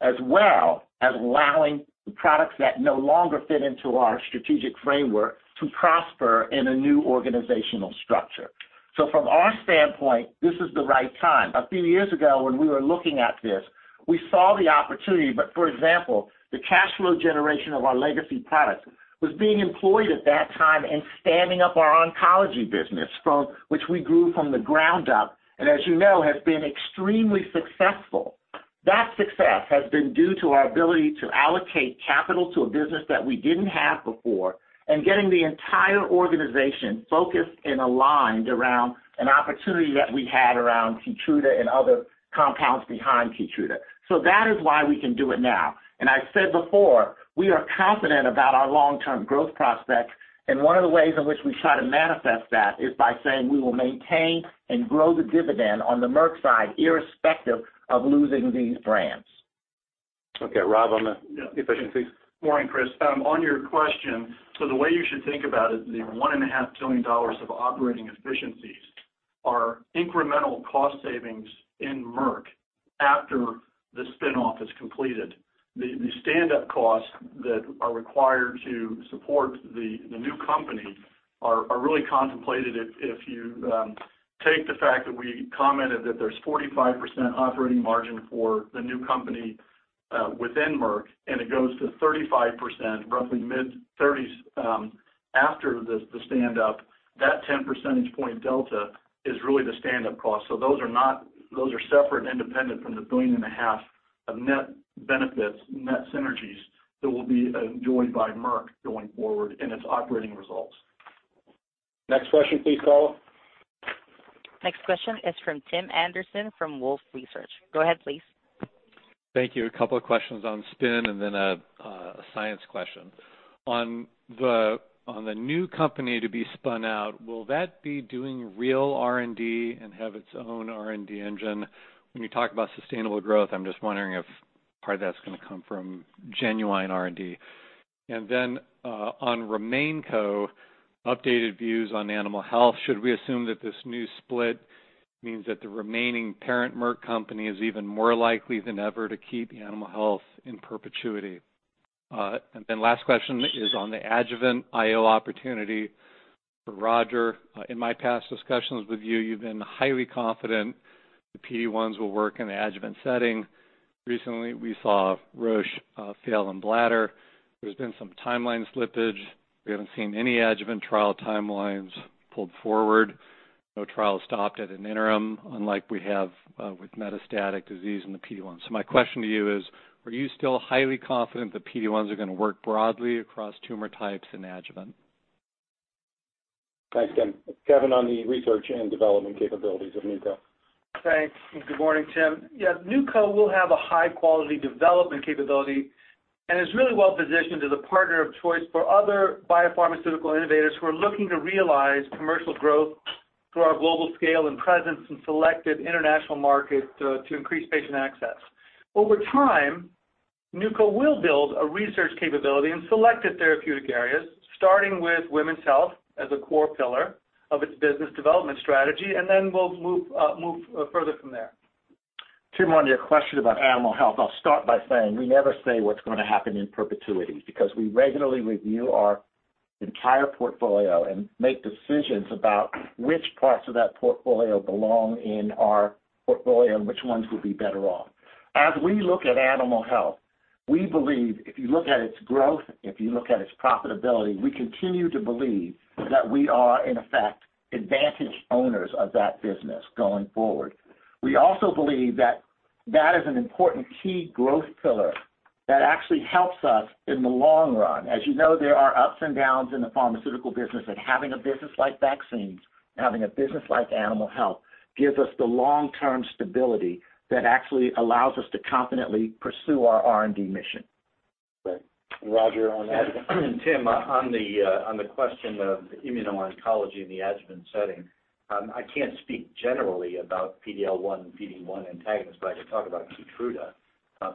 as well as allowing the products that no longer fit into our strategic framework to prosper in a new organizational structure. From our standpoint, this is the right time. A few years ago when we were looking at this, we saw the opportunity. For example, the cash flow generation of our legacy products was being employed at that time in standing up our oncology business, which we grew from the ground up and, as you know, has been extremely successful. That success has been due to our ability to allocate capital to a business that we didn't have before and getting the entire organization focused and aligned around an opportunity that we had around KEYTRUDA and other compounds behind KEYTRUDA. That is why we can do it now. I've said before, we are confident about our long-term growth prospects, and one of the ways in which we try to manifest that is by saying we will maintain and grow the dividend on the Merck side, irrespective of losing these brands. Okay. Rob, on the efficiencies. Morning, Chris. Regarding your question, the way you should think about it is that the $1.5 billion of operating efficiencies Are incremental cost savings in Merck after the spin-off is completed. The stand-up costs that are required to support the new company are really contemplated if you take the fact that we commented that there's a 45% operating margin for the new company within Merck, and it goes to 35%, roughly mid-30s, after the stand-up; that 10 percentage point delta is really the stand-up cost. Those are separate and independent from the billion and a half of net benefits and net synergies that will be enjoyed by Merck going forward in its operating results. Next question, please, Carlo. Next question is from Tim Anderson from Wolfe Research. Go ahead, please. Thank you. A couple of questions on spin and then a science question. On the new company to be spun out, will that be doing real R&D and have its own R&D engine? When you talk about sustainable growth, I'm just wondering if part of that's going to come from genuine R&D. On RemainCo, updated views on animal health, should we assume that this new split means that the remaining parent Merck company is even more likely than ever to keep animal health in perpetuity? Last question is on the adjuvant IO opportunity. Roger, in my past discussions with you, you've been highly confident the PD-1s will work in the adjuvant setting. Recently, we saw Roche fail in the bladder. There's been some timeline slippage. We haven't seen any adjuvant trial timelines pulled forward. No trials stopped at an interim, unlike what we have with metastatic disease in the PD-1. My question to you is, are you still highly confident that PD-1s are going to work broadly across tumor types in the adjuvant? Thanks, Tim. Kevin, on the research and development capabilities of NewCo. Thanks, good morning, Tim. Yeah, NewCo will have a high-quality development capability and is really well-positioned as a partner of choice for other biopharmaceutical innovators who are looking to realize commercial growth through our global scale and presence in selected international markets to increase patient access. Over time, NewCo will build a research capability in selected therapeutic areas, starting with women's health as a core pillar of its business development strategy. We'll move further from there. Tim, on your question about animal health, I'll start by saying we never say what's going to happen in perpetuity, because we regularly review our entire portfolio and make decisions about which parts of that portfolio belong in our portfolio and which ones would be better off. As we look at animal health, we believe if you look at its growth, if you look at its profitability, we continue to believe that we are, in effect, advantaged owners of that business going forward. We also believe that that is an important key growth pillar that actually helps us in the long run. As you know, there are ups and downs in the pharmaceutical business, and having a business like vaccines and having a business like animal health gives us the long-term stability that actually allows us to confidently pursue our R&D mission. Great. Roger, on adjuvant. Tim, on the question of immuno-oncology in the adjuvant setting, I can't speak generally about PD-L1/PD-1 antagonists, but I can talk about KEYTRUDA.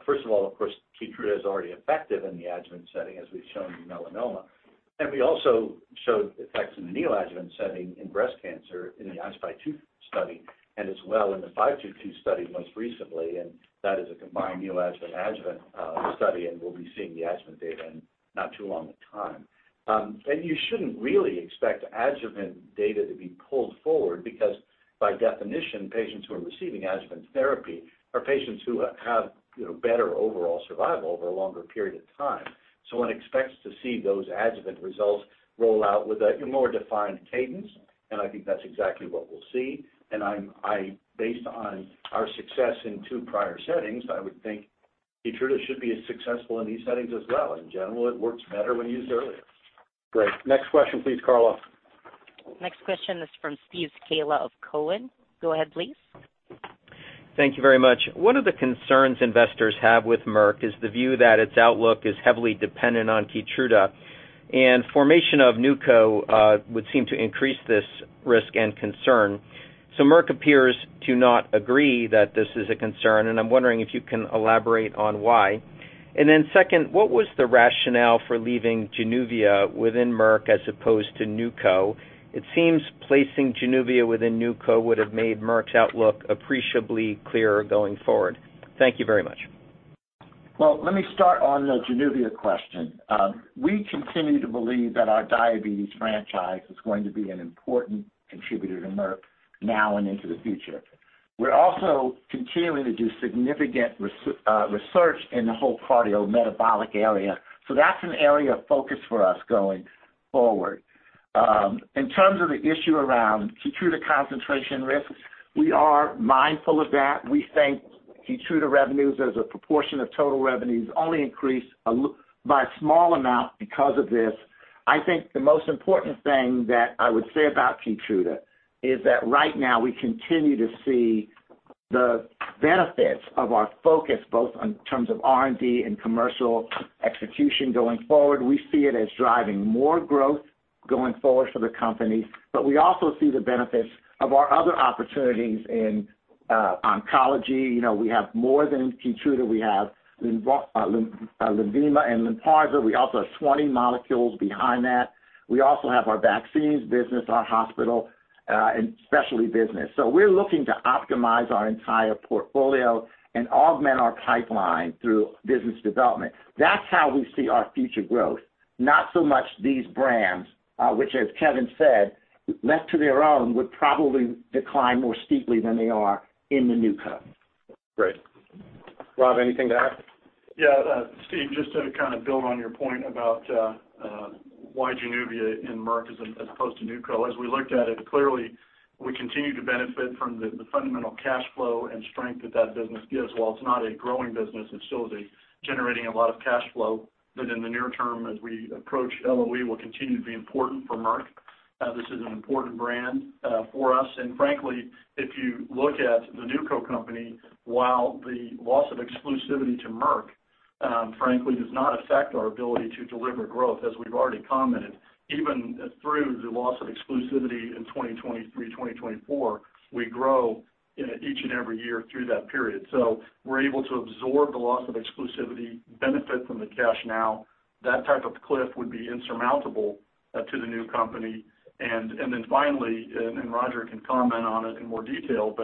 First of all, of course, KEYTRUDA is already effective in the adjuvant setting, as we've shown in melanoma. We also showed effects in the neoadjuvant setting in breast cancer in the I-SPY 2 study and, as well, in the KEYNOTE-522 study most recently, and that is a combined neoadjuvant-adjuvant study, and we'll be seeing the adjuvant data in not too long a time. You shouldn't really expect adjuvant data to be pulled forward because, by definition, patients who are receiving adjuvant therapy are patients who have better overall survival over a longer period of time. One expects to see those adjuvant results roll out with a more defined cadence, and I think that's exactly what we'll see. Based on our success in two prior settings, I would think KEYTRUDA should be as successful in these settings as well. In general, it works better when used earlier. Great. Next question, please, Carlo. Next question is from Steve Scala of Cowen. Go ahead, please. Thank you very much. One of the concerns investors have with Merck is the view that its outlook is heavily dependent on KEYTRUDA, and the formation of NewCo would seem to increase this risk and concern. Merck appears to not agree that this is a concern, and I'm wondering if you can elaborate on why. Second, what was the rationale for leaving JANUVIA within Merck as opposed to NewCo? It seems placing JANUVIA within NewCo would have made Merck's outlook appreciably clearer going forward. Thank you very much. Let me start on the JANUVIA question. We continue to believe that our diabetes franchise is going to be an important contributor to Merck now and into the future. We're also continuing to do significant research in the whole cardiometabolic area. That's an area of focus for us going forward. In terms of the issue around KEYTRUDA concentration risks, we are mindful of that. We think KEYTRUDA revenues as a proportion of total revenues only increase by a small amount because of this. I think the most important thing that I would say about KEYTRUDA is that right now we continue to see the benefits of our focus, both in terms of R&D and commercial execution going forward. We see it as driving more growth going forward for the company; we also see the benefits of our other opportunities. Oncology, we have more than KEYTRUDA. We have LENVIMA and LYNPARZA. We also have 20 molecules behind that. We also have our vaccines business and our hospital and specialty business. We're looking to optimize our entire portfolio and augment our pipeline through business development. That's how we see our future growth, not so much these brands, which, as Kevin said, left to their own, would probably decline more steeply than they are in the NewCo. Great. Rob, anything to add? Steve, just to kind of build on your point about why JANUVIA is in Merck & Co. as opposed to NewCo, as we looked at it, clearly we continue to benefit from the fundamental cash flow and strength that that business gives. While it's not a growing business, it still is generating a lot of cash flow that, in the near term, as we approach LOE, will continue to be important for Merck & Co. This is an important brand for us, and frankly, if you look at the NewCo company, while the loss of exclusivity to Merck & Co. frankly does not affect our ability to deliver growth, as we've already commented, even through the loss of exclusivity in 2023, 2024, we grow in each and every year through that period. We're able to absorb the loss of the exclusivity benefit from the cash now. That type of cliff would be insurmountable to the new company. Finally, Roger can comment on it in more detail;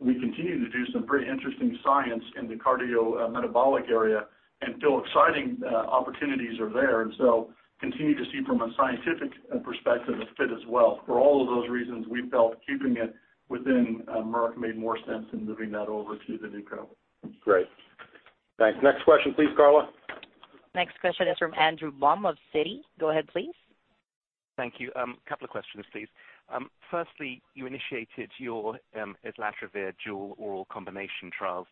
we continue to do some pretty interesting science in the cardiometabolic area and feel exciting opportunities are there. Continue to see from a scientific perspective, a fit as well. For all of those reasons, we felt keeping it within Merck made more sense than moving that over to the NewCo. Great. Thanks. Next question, please, Carlo. Next question is from Andrew Baum of Citi. Go ahead, please. Thank you. Couple of questions, please. Firstly, you initiated your islatravir dual oral combination trials.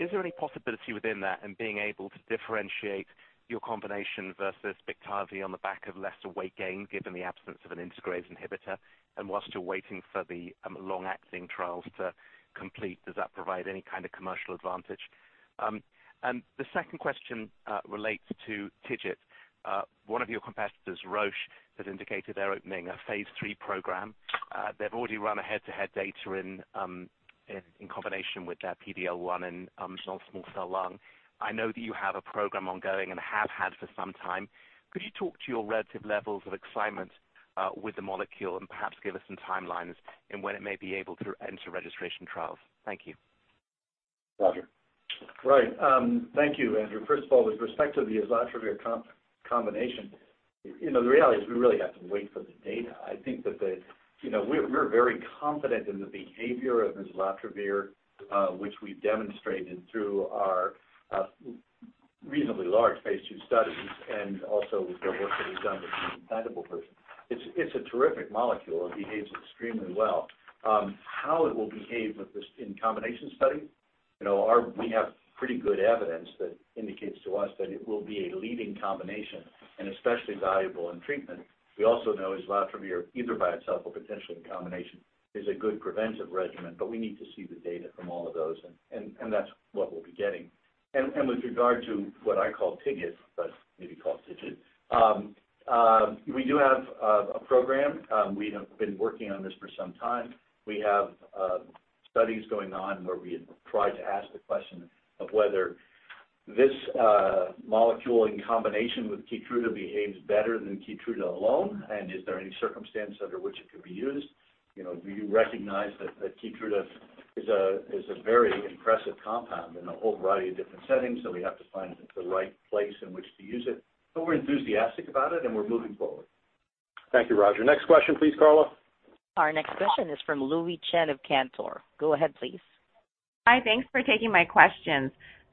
Is there any possibility within that in being able to differentiate your combination versus bictegravir on the back of lesser weight gain given the absence of an integrase inhibitor? While you're waiting for the long-acting trials to complete, does that provide any kind of commercial advantage? The second question relates to TIGIT. One of your competitors, Roche, has indicated they're opening a phase III program. They've already run head-to-head data in combination with their PD-L1 in non-small cell lung. I know that you have a program ongoing and have had for some time. Could you talk to your relative levels of excitement with the molecule and perhaps give us some timelines on when it may be able to enter registration trials? Thank you. Roger. Right. Thank you, Andrew. First of all, with respect to the islatravir combination, the reality is we really have to wait for the data. I think that we're very confident in the behavior of islatravir, which we've demonstrated through our reasonably large phase II studies and also with the work that we've done with the implantable version. It's a terrific molecule. It behaves extremely well. How will it behave with this in a combination study? We have pretty good evidence that indicates to us that it will be a leading combination and especially valuable in treatment. We also know islatravir, either by itself or potentially in combination, is a good preventive regimen, but we need to see the data from all of those, and that's what we'll be getting. With regard to what I call TIGIT, but maybe you call it TIGIT, we do have a program. We have been working on this for some time. We have studies going on where we try to ask the question of whether this molecule in combination with KEYTRUDA behaves better than KEYTRUDA alone and is there any circumstance under which it could be used? We recognize that KEYTRUDA is a very impressive compound in a whole variety of different settings, so we have to find the right place in which to use it. We're enthusiastic about it, and we're moving forward. Thank you, Roger. Next question, please, Carlo. Our next question is from Louise Chen of Cantor. Go ahead, please. Hi. Thanks for taking my questions.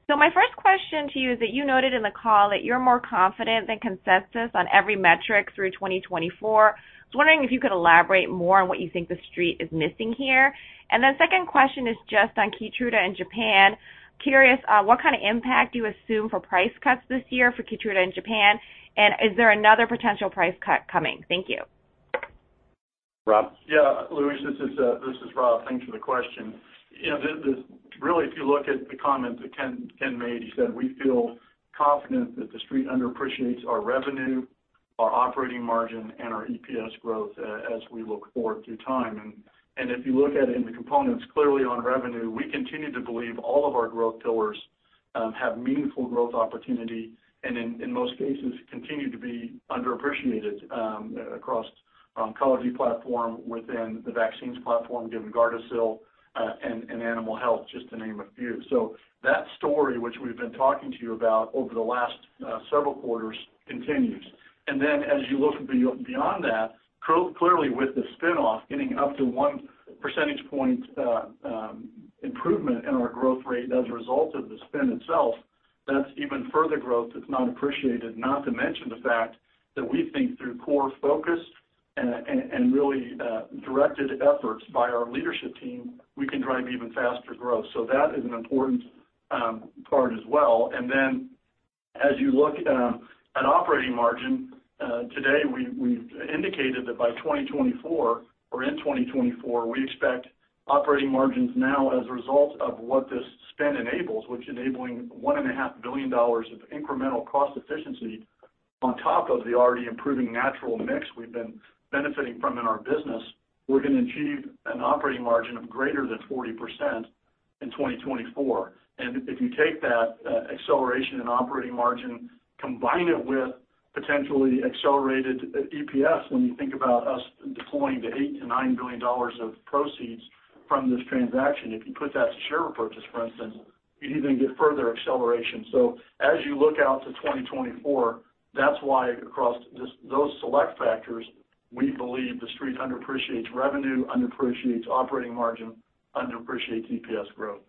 My first question to you is that you noted in the call that you're more confident than the consensus on every metric through 2024. I was wondering if you could elaborate more on what you think the Street is missing here. My second question is just on KEYTRUDA in Japan. Curious, what kind of impact do you assume for price cuts this year for KEYTRUDA in Japan? Is there another potential price cut coming? Thank you. Rob? Yeah, Louise, this is Rob. Thanks for the question. Really, if you look at the comments that Ken made, he said we feel confident that the Street underappreciates our revenue, our operating margin, and our EPS growth as we look forward through time. If you look at it in the components, clearly on revenue, we continue to believe all of our growth pillars have meaningful growth opportunity and, in most cases, continue to be underappreciated across the oncology platform, within the vaccines platform, given GARDASIL, and in Animal Health, just to name a few. That story, which we've been talking to you about over the last several quarters, continues. As you look beyond that, clearly with the spin-off getting up to one percentage point improvement in our growth rate as a result of the spin itself, that's even further growth that's not appreciated, not to mention the fact that we think through core focus and really direct efforts by our leadership team; we can drive even faster growth. That is an important part as well. As you look at operating margin, today we've indicated that by 2024 or in 2024, we expect operating margins now as a result of what this spin enables, which enables $1.5 billion of incremental cost efficiency on top of the already improving natural mix we've been benefiting from in our business; we're going to achieve an operating margin of greater than 40% in 2024. If you take that acceleration in operating margin and combine it with potentially accelerated EPS, when you think about us deploying the $8 billion-$9 billion of proceeds from this transaction, if you put that to share repurchase, for instance, you'd even get further acceleration. As you look out to 2024, that's why across those select factors, we believe the Street underappreciates revenue, underappreciates operating margin, and underappreciates EPS growth.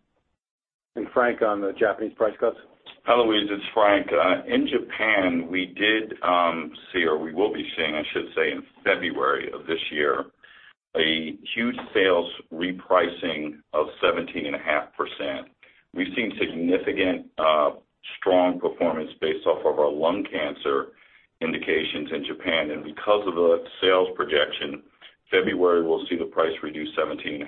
Frank, on the Japanese price cuts? Hello, Louise, it's Frank. In Japan, we did see, or we will be seeing, I should say, in February of this year, a huge sales repricing of 17.5%. We've seen significant strong performance based off of our lung cancer indications in Japan. Because of the sales projection, February will see the price reduce 17.5%.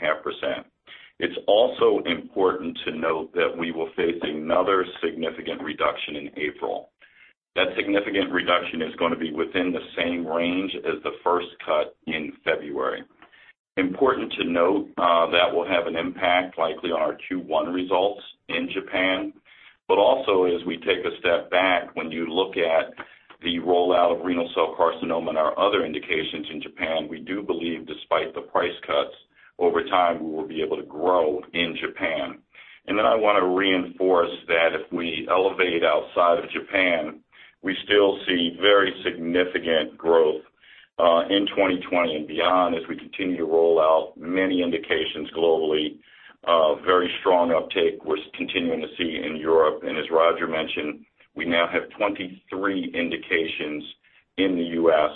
It's also important to note that we will face another significant reduction in April. That significant reduction is going to be within the same range as the first cut in February. Important to note that that will have an impact likely on our Q1 results in Japan, but also, as we take a step back, when you look at the rollout of renal cell carcinoma and our other indications in Japan, we do believe, despite the price cuts, over time, we will be able to grow in Japan. I want to reinforce that if we elevate outside of Japan, we still see very significant growth in 2020 and beyond as we continue to roll out many indications globally. Very strong uptake we're continuing to see in Europe, and as Roger mentioned, we now have 23 indications in the U.S.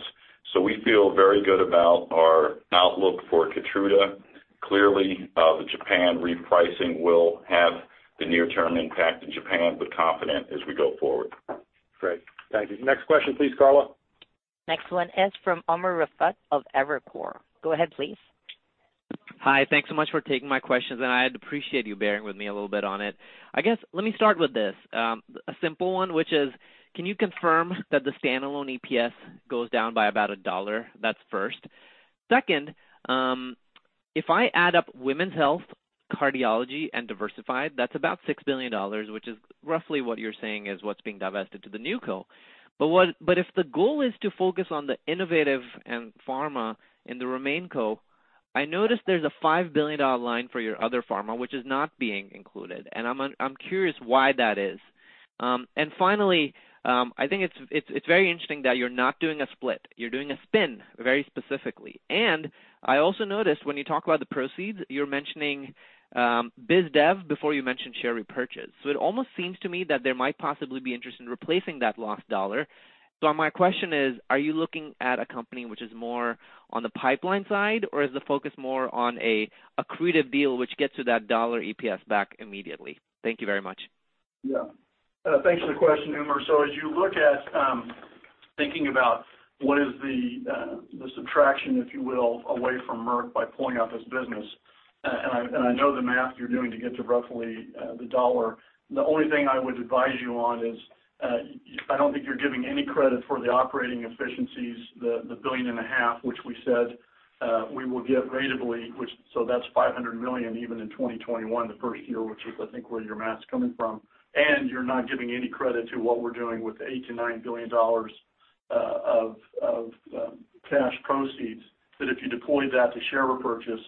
We feel very good about our outlook for KEYTRUDA. Clearly, the Japan repricing will have the near-term impact in Japan, but we are confident as we go forward. Great. Thank you. Next question, please, Carlo. Next one is from Umer Raffat of Evercore. Go ahead, please. Hi. Thanks so much for taking my questions, and I'd appreciate you bearing with me a little bit on it. I guess let me start with this simple one, which is, can you confirm that the standalone EPS goes down by about one dollar? That's first. Second, if I add up women's health, cardiology, and diversified, that's about $6 billion, which is roughly what you're saying is what's being divested to the NewCo. If the goal is to focus on the innovative and pharma in the RemainCo, I noticed there's a $5 billion line for your other pharma, which is not being included, and I'm curious why that is. Finally, I think it's very interesting that you're not doing a split. You're doing a spin very specifically. I also noticed when you talk about the proceeds, you're mentioning biz dev before you mention share repurchase. It almost seems to me that there might possibly be interest in replacing that lost dollar. My question is, are you looking at a company that is more on the pipeline side, or is the focus more on an accretive deal that gets to that dollar EPS back immediately? Thank you very much. Yeah. Thanks for the question, Umer. As you look at thinking about what the subtraction is, if you will, away from Merck by pulling out this business, and I know the math you're doing to get to roughly the dollar. The only thing I would advise you on is I don't think you're giving any credit for the operating efficiencies, the billion and a half, which we said we will give ratably, so that's $500 million even in 2021, the first year, which is, I think, where your math's coming from. You're not giving any credit to what we're doing with $8 billion-$9 billion of cash proceeds; if you deployed that to share repurchase,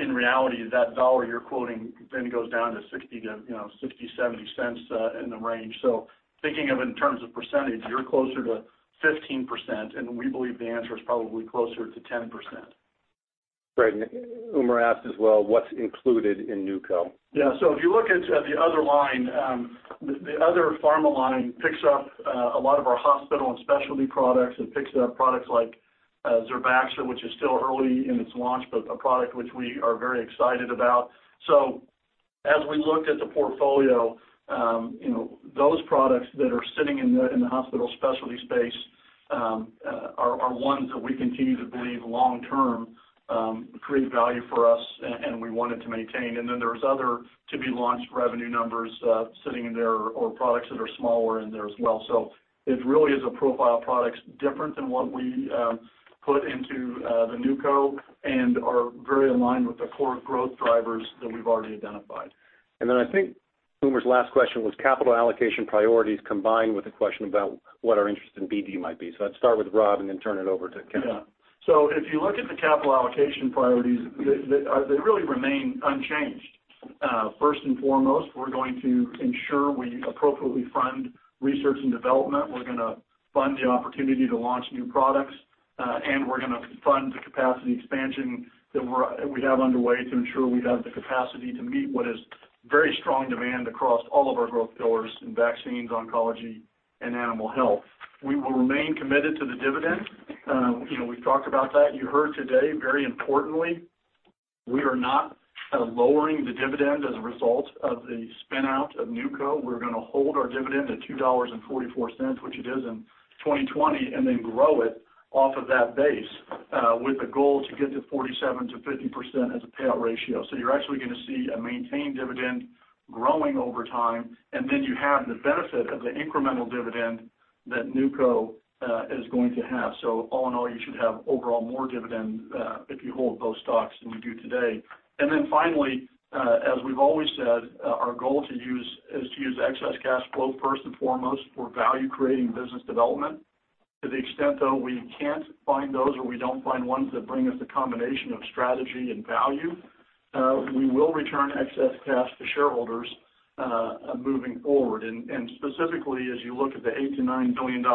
in reality, that dollar you're quoting then goes down to $0.60-$0.70 in the range. Thinking of it in terms of percentage, you're closer to 15%, and we believe the answer is probably closer to 10%. Great. Umer asked as well, what's included in NewCo? If you look at the other line, the other pharma line picks up a lot of our hospital and specialty products. It picks up products like ZERBAXA, which is still early in its launch but a product that we are very excited about. As we looked at the portfolio, those products that are sitting in the hospital specialty space are ones that we continue to believe long-term create value for us and we wanted to maintain. There are other to-be-launched revenue numbers sitting in there or products that are smaller in there as well. It really is a profile of products different than what we put into the NewCo and is very in line with the core growth drivers that we've already identified. I think Umer's last question was capital allocation priorities combined with a question about what our interest in BD might be. Let's start with Rob and then turn it over to Ken. Yeah. If you look at the capital allocation priorities, they really remain unchanged. First and foremost, we're going to ensure we appropriately fund research and development. We're going to fund the opportunity to launch new products, and we're going to fund the capacity expansion that we have underway to ensure we have the capacity to meet what is very strong demand across all of our growth pillars in vaccines, oncology, and Animal Health. We will remain committed to the dividend. We've talked about that. You heard today, very importantly, we are not lowering the dividend as a result of the spin-off of NewCo. We're going to hold our dividend at $2.44, which it was in 2020, and then grow it from that base. With a goal to get to 47%-50% as a payout ratio. You're actually going to see a maintained dividend growing over time, and then you have the benefit of the incremental dividend that NewCo is going to have. All in all, you should have overall more dividends if you hold both stocks than you do today. Finally, as we've always said, our goal is to use excess cash flow first and foremost for value-creating business development. To the extent, though, we can't find those or we don't find ones that bring us the combination of strategy and value, we will return excess cash to shareholders moving forward. Specifically, as you look at the $8 billion-$9 billion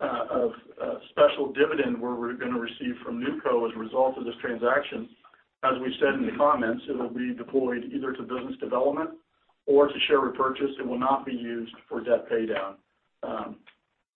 of special dividends we're going to receive from NewCo as a result of this transaction, as we said in the comments, it will be deployed either to business development or to share repurchase. It will not be used for debt paydown.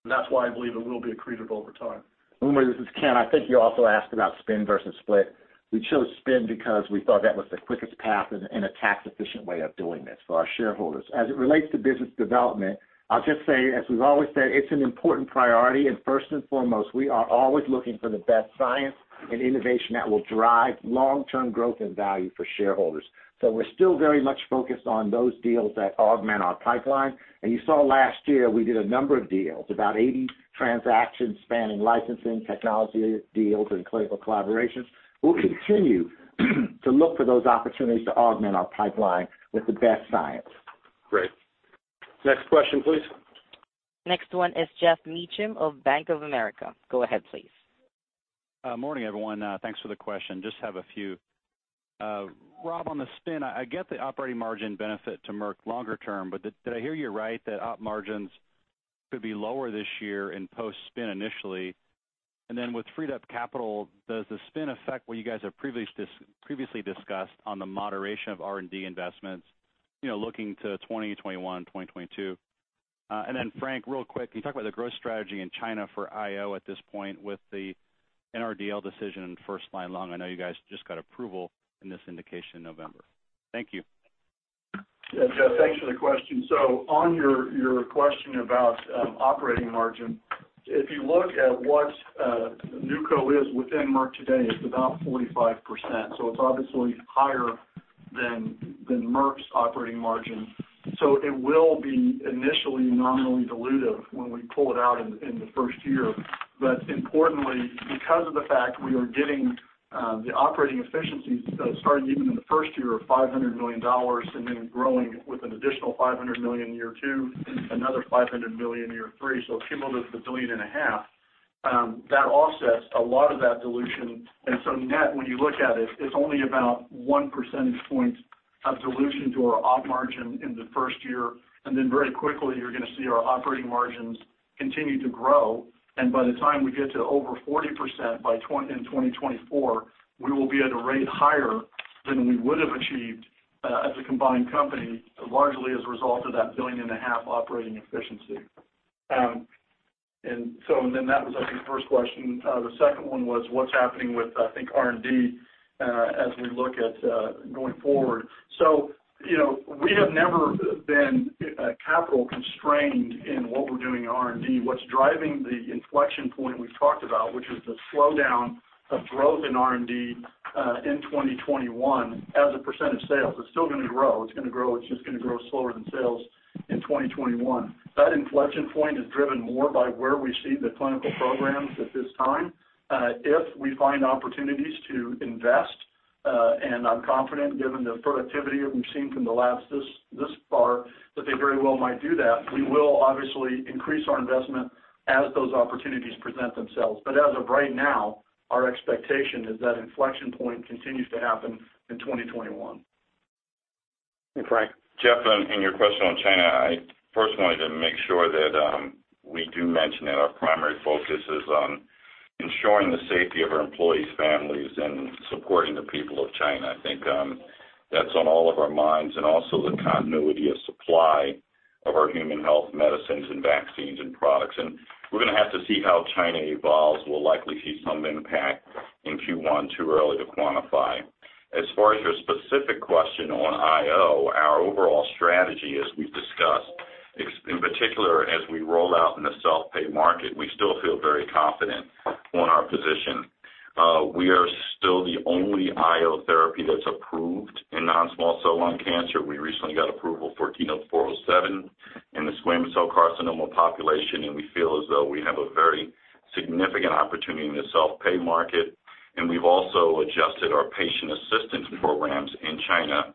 That's why I believe it will be accretive over time. Umer, this is Ken. I think you also asked about spin versus split. We chose spin because we thought that was the quickest path and a tax-efficient way of doing this for our shareholders. As it relates to business development, I'll just say, as we've always said, it's an important priority, and first and foremost, we are always looking for the best science and innovation that will drive long-term growth and value for shareholders. We're still very much focused on those deals that augment our pipeline. You saw last year, we did a number of deals, about 80 transactions spanning licensing, technology deals, and clinical collaborations. We'll continue to look for those opportunities to augment our pipeline with the best science. Great. Next question, please. Next one is Geoff Meacham of Bank of America. Go ahead, please. Morning, everyone. Thanks for the question. Just have a few. Rob, on the spin, I get the operating margin benefit to Merck longer term, but did I hear you right that op margins could be lower this year post-spin initially? With freed-up capital, does the spin affect what you guys have previously discussed on the moderation of R&D investments, looking to 2021, 2022? Frank, real quick, can you talk about the growth strategy in China for IO at this point with the NRDL decision in first-line lung? I know you guys just got approval for this indication in November. Thank you. Yeah, Geoff, thanks for the question. On your question about operating margin, if you look at what NewCo is within Merck today, it's about 45%. It will be initially nominally dilutive when we pull it out in the first year. Importantly, because of the fact we are getting the operating efficiencies starting even in the first year of $500 million and then growing with an additional $500 million in year two and another $500 million in year three, a cumulative of a billion and a half dollars, that offsets a lot of that dilution. Net, when you look at it, it's only about one percentage point of dilution to our op margin in the first year; then very quickly, you're going to see our operating margins continue to grow, and by the time we get to over 40% in 2024, we will be at a rate higher than we would have achieved as a combined company, largely as a result of that billion and a half operating efficiency. That was, I think, the first question. The second one was what's happening with, I think, R&D as we look at going forward. We have never been capital constrained in what we're doing in R&D. What's driving the inflection point we've talked about, which is the slowdown of growth in R&D in 2021 as a percentage of sales? It's still going to grow. It's just going to grow slower than sales in 2021. That inflection point is driven more by where we see the clinical programs at this time. If we find opportunities to invest, and I'm confident given the productivity we've seen from the labs thus far, that they very well might do that, we will obviously increase our investment as those opportunities present themselves. As of right now, our expectation is that the inflection point continues to happen in 2021. And, Frank. Geoff, in your question on China, I first wanted to make sure that we do mention that our primary focus is on ensuring the safety of our employees' families and supporting the people of China. I think that's on all of our minds, and also the continuity of supply of our human health medicines and vaccines and products. We're going to have to see how China evolves. We'll likely see some impact in Q1, too early to quantify. As far as your specific question on IO, our overall strategy, as we've discussed, in particular as we roll out in the self-pay market, we still feel very confident in our position. We are still the only IO therapy that's approved in non-small cell lung cancer. We recently got approval for KEYNOTE-407 in the squamous cell carcinoma population, and we feel as though we have a very significant opportunity in the self-pay market. We've also adjusted our patient assistance programs in China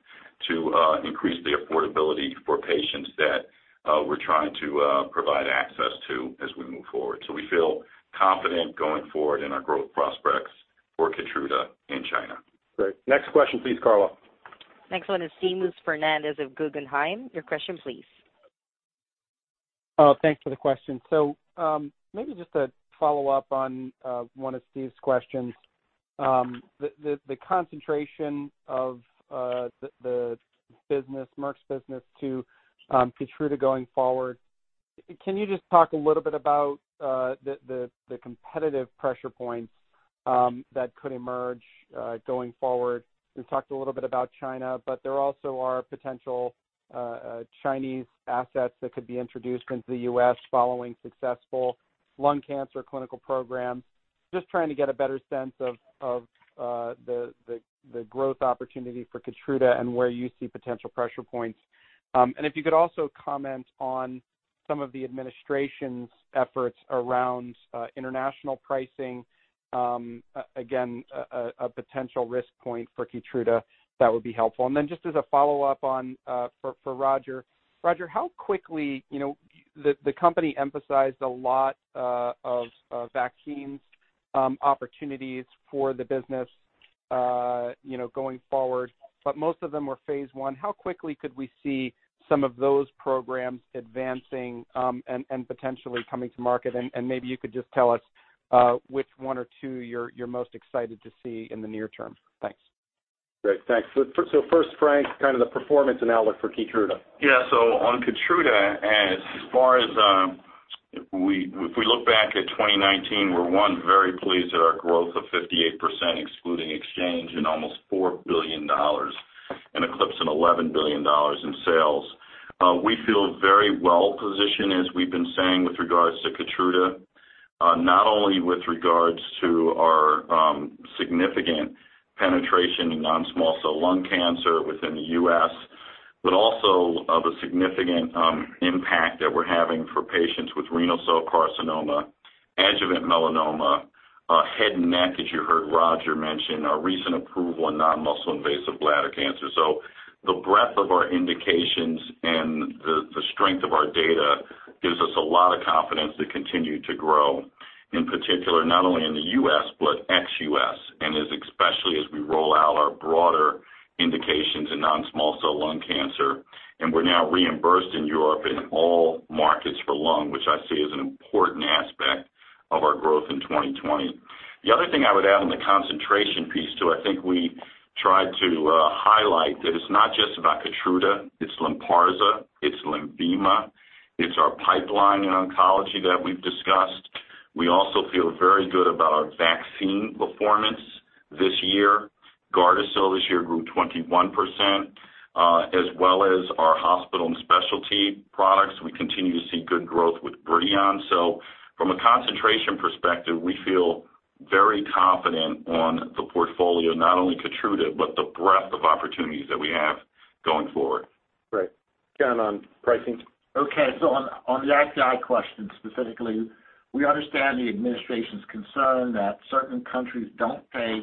to increase the affordability for patients that we're trying to provide access to as we move forward. We feel confident going forward in our growth prospects for KEYTRUDA in China. Great. Next question, please, Carlo. Next one is Seamus Fernandez of Guggenheim. Your question, please. Thanks for the question. Maybe just to follow up on one of Steve's questions. The concentration of Merck's business on KEYTRUDA going forward, can you just talk a little bit about the competitive pressure points that could emerge going forward? You talked a little bit about China, but there also are potential Chinese assets that could be introduced into the U.S. following successful lung cancer clinical programs. Just trying to get a better sense of the growth opportunity for KEYTRUDA and where you see potential pressure points. If you could also comment on some of the administration's efforts around international pricing, again, a potential risk point for KEYTRUDA, that would be helpful. Just as a follow-up for Roger. Roger, the company emphasized a lot of vaccine opportunities for the business going forward, but most of them were phase I. How quickly could we see some of those programs advancing and potentially coming to market? Maybe you could just tell us which one or two you're most excited to see in the near term. Thanks. Great, thanks. First, Frank, kind of the performance and outlook for KEYTRUDA. On KEYTRUDA, if we look back at 2019, we're very pleased at our growth of 58%, excluding exchange, and almost $4 billion in eclipsing $11 billion in sales. We feel very well-positioned, as we've been saying, with regard to KEYTRUDA, not only with regard to our significant penetration in non-small cell lung cancer within the U.S., but also of a significant impact that we're having for patients with renal cell carcinoma, adjuvant melanoma, and head and neck; as you heard Roger mention, our recent approval in non-muscle invasive bladder cancer. The breadth of our indications and the strength of our data gives us a lot of confidence to continue to grow, in particular, not only in the U.S., but ex-U.S., and especially as we roll out our broader indications in non-small cell lung cancer, and we're now reimbursed in Europe in all markets for lung, which I see as an important aspect of our growth in 2020. The other thing I would add on the concentration piece, too, is I think we tried to highlight that it's not just about KEYTRUDA; it's LYNPARZA, it's LENVIMA, it's our pipeline in oncology that we've discussed. We also feel very good about our vaccine performance this year. GARDASIL this year grew 21%, as well as our hospital and specialty products. We continue to see good growth with BRIDION. From a concentration perspective, we feel very confident on the portfolio, not only KEYTRUDA, but the breadth of opportunities that we have going forward. Great. Ken, on pricing? Okay, on the IPI question specifically, we understand the administration's concern that certain countries don't pay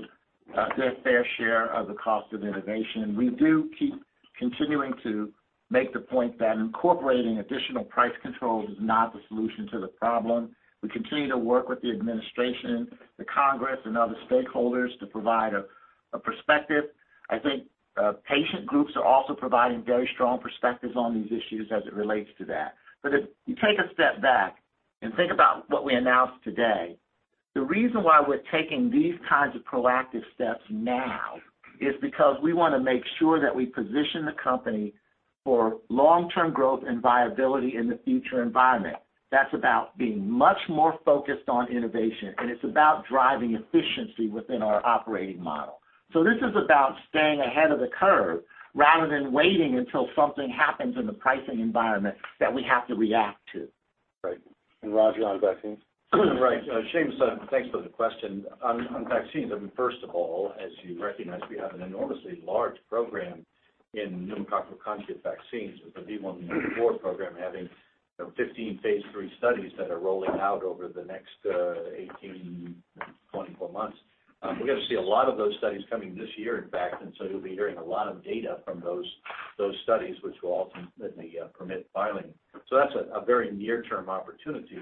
their fair share of the cost of innovation. We do keep continuing to make the point that incorporating additional price controls is not the solution to the problem. We continue to work with the administration, the Congress, and other stakeholders to provide a perspective. I think patient groups are also providing very strong perspectives on these issues as it relates to that. If you take a step back and think about what we announced today, the reason why we're taking these kinds of proactive steps now is because we want to make sure that we position the company for long-term growth and viability in the future environment. That's about being much more focused on innovation, and it's about driving efficiency within our operating model. This is about staying ahead of the curve rather than waiting until something happens in the pricing environment that we have to react to. Right. Roger, on vaccines? Right. Seamus, thanks for the question. On vaccines, I mean, first of all, as you recognize, we have an enormously large program in pneumococcal conjugate vaccines, with the V114 program having 15 phase III studies that are rolling out over the next 18-24 months. We're going to see a lot of those studies coming this year, in fact. You'll be hearing a lot of data from those studies, which will ultimately permit filing. That's a very near-term opportunity.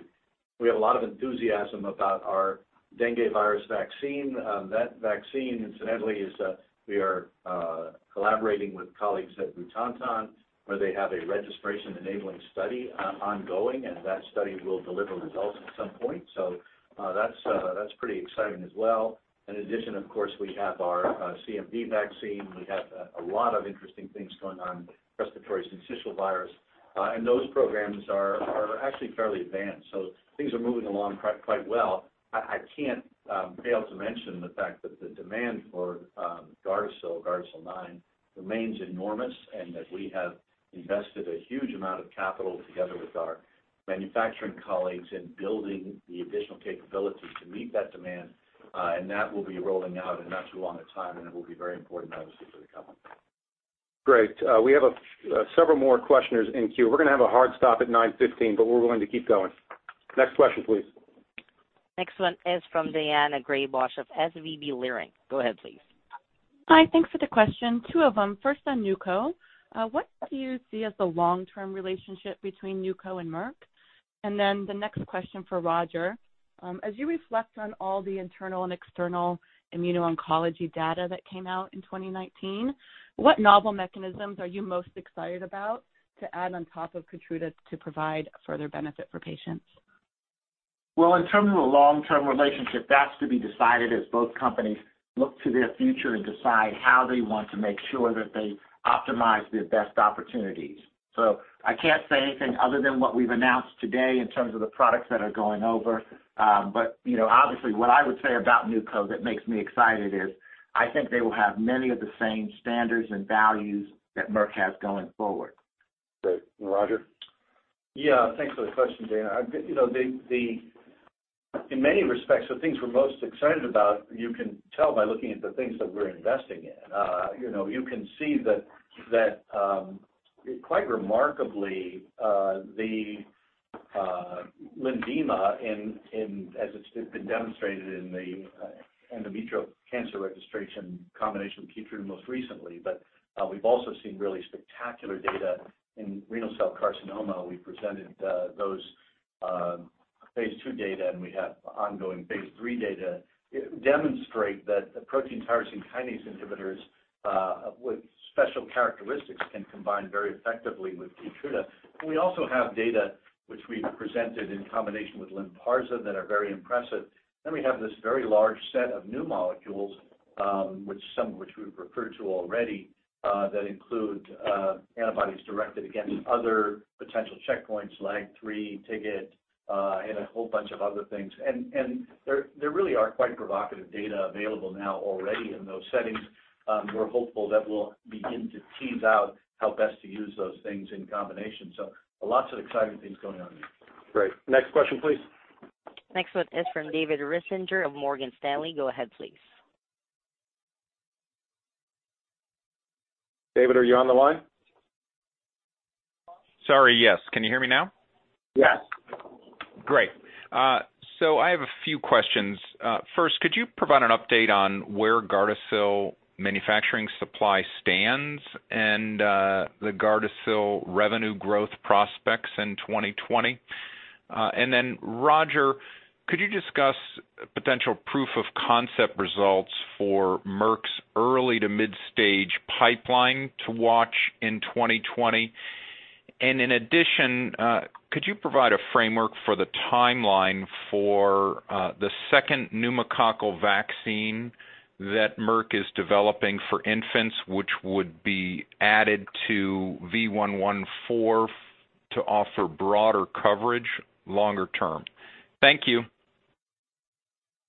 We have a lot of enthusiasm about our dengue virus vaccine. That vaccine, incidentally, we are collaborating on with colleagues at Butantan, where they have a registration-enabling study ongoing. That study will deliver results at some point. That's pretty exciting as well. In addition, of course, we have our CMV vaccine. We have a lot of interesting things going on with respiratory syncytial virus. Those programs are actually fairly advanced. Things are moving along quite well. I can't fail to mention the fact that the demand for GARDASIL 9, remains enormous and that we have invested a huge amount of capital together with our manufacturing colleagues in building the additional capabilities to meet that demand. That will be rolling out in not too long a time, and it will be very important, obviously, for the company. Great. We have several more questioners in the queue. We're going to have a hard stop at 9:15 A.M., but we're willing to keep going. Next question, please. Next one is from Daina Graybosch of SVB Leerink. Go ahead, please. Hi, thanks for the question. Two of them. First on NewCo. What do you see as the long-term relationship between NewCo and Merck? Then the next question for Roger. As you reflect on all the internal and external immuno-oncology data that came out in 2019, what novel mechanisms are you most excited about to add on top of KEYTRUDA to provide further benefit for patients? Well, in terms of a long-term relationship, that's to be decided as both companies look to their future and decide how they want to make sure that they optimize their best opportunities. I can't say anything other than what we've announced today in terms of the products that are going over. Obviously, what I would say about NewCo that makes me excited is I think they will have many of the same standards and values that Merck has going forward. Great. Roger? Thanks for the question, Daina. In many respects, the things we're most excited about, you can tell by looking at the things that we're investing in. You can see that quite remarkably, LENVIMA, as it's been demonstrated in the endometrial cancer registration combination with KEYTRUDA most recently, but we've also seen really spectacular data in renal cell carcinoma. We presented those phase II data, and we have ongoing phase III data demonstrating that approaching tyrosine kinase inhibitors with special characteristics can combine very effectively with KEYTRUDA. We also have data, which we've presented in combination with LYNPARZA that are very impressive. We have this very large set of new molecules, some of which we've referred to already, that include antibodies directed against other potential checkpoints, LAG-3, TIGIT, and a whole bunch of other things. There really are quite provocative data available now already in those settings. We're hopeful that we'll begin to tease out how best to use those things in combination. Lots of exciting things going on there. Great. Next question, please. Next one is from David Risinger of Morgan Stanley. Go ahead, please. David, are you on the line? Sorry, yes. Can you hear me now? Yes. Great. I have a few questions. First, could you provide an update on where GARDASIL manufacturing supply stands and the GARDASIL revenue growth prospects in 2020? Roger, could you discuss potential proof-of-concept results for Merck's early- to mid-stage pipeline to watch in 2020? In addition, could you provide a framework for the timeline for the second pneumococcal vaccine that Merck is developing for infants, which would be added to V114 to offer broader coverage longer term? Thank you.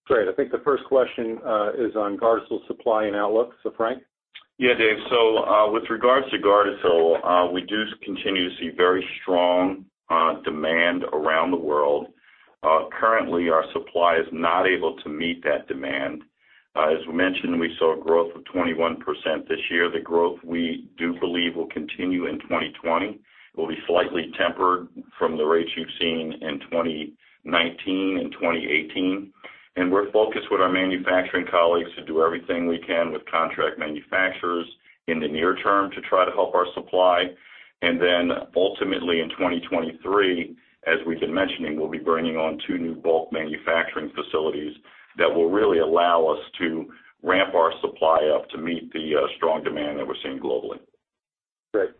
Great. I think the first question is on GARDASIL supply and outlook. Frank? Yeah, Dave. With regards to GARDASIL, we do continue to see very strong demand around the world. Currently, our supply is not able to meet that demand. As we mentioned, we saw growth of 21% this year. The growth we do believe will continue in 2020, will be slightly tempered from the rates you've seen in 2019 and 2018. We're focused with our manufacturing colleagues to do everything we can with contract manufacturers in the near term to try to help our supply. Ultimately in 2023, as we've been mentioning, we'll be bringing on two new bulk manufacturing facilities that will really allow us to ramp our supply up to meet the strong demand that we're seeing globally. Great.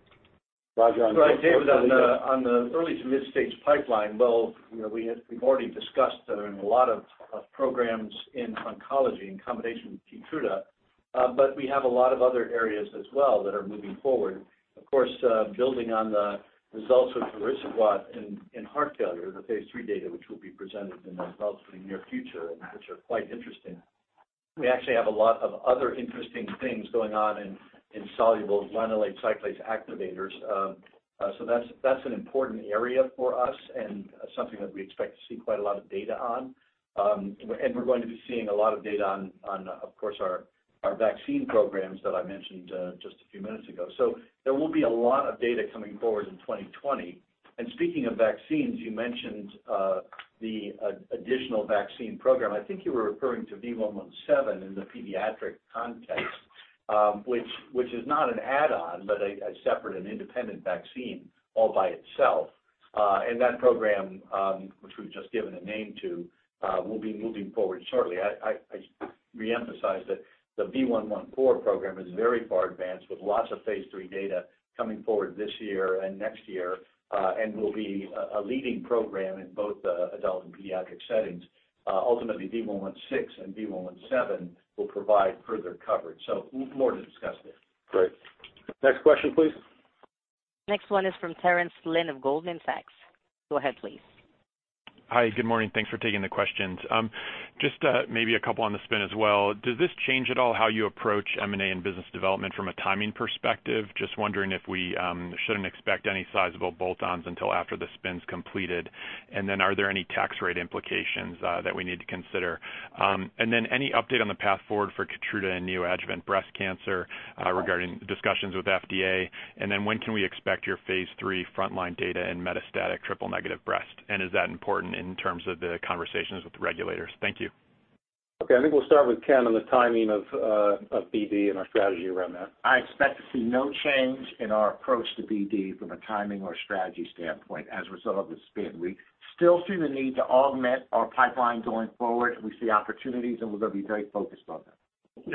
Roger Right, David, on the early- to mid-stage pipeline, well, we've already discussed there are a lot of programs in oncology in combination with KEYTRUDA. We have a lot of other areas as well that are moving forward. Of course, building on the results of vericiguat in heart failure, the phase III data will be presented in the relatively near future, and they are quite interesting. We actually have a lot of other interesting things going on in soluble guanylate cyclase activators. That's an important area for us and something that we expect to see quite a lot of data on. We're going to be seeing a lot of data on, of course, our vaccine programs that I mentioned just a few minutes ago. There will be a lot of data coming forward in 2020. Speaking of vaccines, you mentioned the additional vaccine program. I think you were referring to V117 in the pediatric context, which is not an add-on but a separate and independent vaccine all by itself. That program, which we've just given a name to, will be moving forward shortly. I reemphasize that the V114 program is very far advanced, with lots of phase III data coming forward this year and next year, and will be a leading program in both adult and pediatric settings. Ultimately, V116 and V117 will provide further coverage. More to discuss there. Great. Next question, please. Next one is from Terence Flynn of Goldman Sachs. Go ahead, please. Hi. Good morning. Thanks for taking the questions. Just maybe a couple on the spin as well. Does this change at all how you approach M&A and business development from a timing perspective? Just wondering if we shouldn't expect any sizable bolt-ons until after the spin's completed. Are there any tax rate implications that we need to consider? Any update on the path forward for KEYTRUDA in neoadjuvant breast cancer regarding discussions with the FDA? When can we expect your phase III frontline data in metastatic triple-negative breast cancer? Is that important in terms of the conversations with the regulators? Thank you. Okay. I think we'll start with Ken on the timing of BD and our strategy around that. I expect to see no change in our approach to BD from a timing or strategy standpoint as a result of the spin. We still see the need to augment our pipeline going forward. We see opportunities, and we're going to be very focused on that.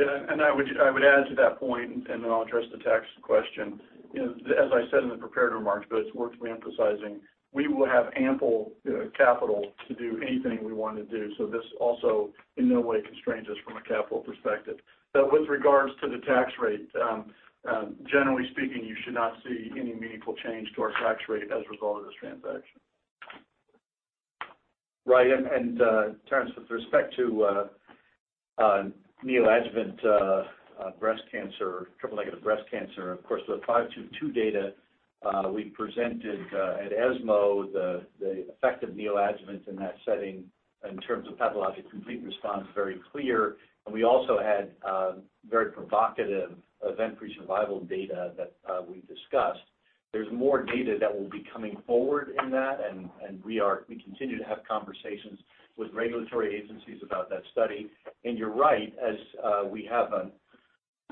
I would add to that point, and then I'll address the tax question. As I said in the prepared remarks, but it's worth reemphasizing, we will have ample capital to do anything we want to do. This also in no way constrains us from a capital perspective. With regards to the tax rate, generally speaking, you should not see any meaningful change to our tax rate as a result of this transaction. Right. Terence, with respect to neoadjuvant breast cancer, triple-negative breast cancer, of course, and the KEYNOTE-522 data we presented at ESMO, the effect of neoadjuvant in that setting in terms of pathologic complete response is very clear. We also had very provocative event-free survival data that we discussed. There's more data that will be coming forward in that, and we continue to have conversations with regulatory agencies about that study. You're right, as we have an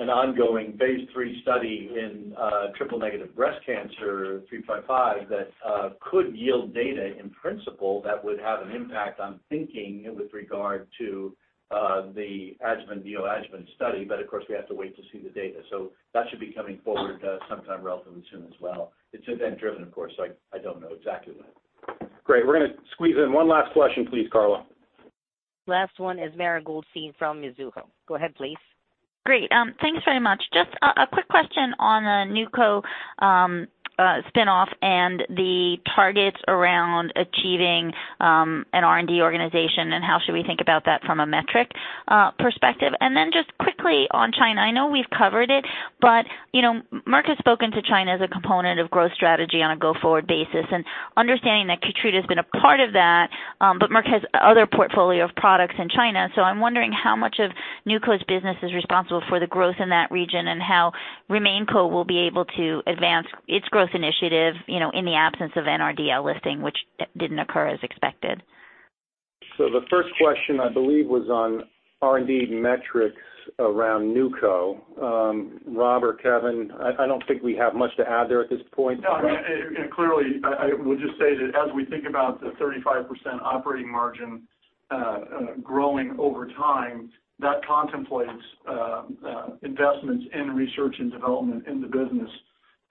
ongoing phase III study in triple-negative breast cancer KEYNOTE-355 that could yield data in principle that would have an impact on thinking with regard to the adjuvant/neoadjuvant study. Of course, we have to wait to see the data. That should be coming forward sometime relatively soon as well. It's event-driven, of course, so I don't know exactly when. Great. We're going to squeeze in one last question, please, Carlo. Last one is Mara Goldstein from Mizuho. Go ahead, please. Great. Thanks very much. Just a quick question on the NewCo spinoff and the targets around achieving an R&D organization, how should we think about that from a metric perspective? Just quickly on China, I know we've covered it, Merck has spoken to China as a component of growth strategy on a go-forward basis, understanding that KEYTRUDA has been a part of that. Merck has other portfolios of products in China. I'm wondering how much of NewCo's business is responsible for the growth in that region and how RemainCo will be able to advance its growth initiative in the absence of an NRDL listing, which didn't occur as expected. The first question, I believe, was on R&D metrics around NewCo. Rob or Kevin, I don't think we have much to add there at this point. No, clearly, I would just say that as we think about the 35% operating margin growing over time, that contemplates investments in research and development in the business.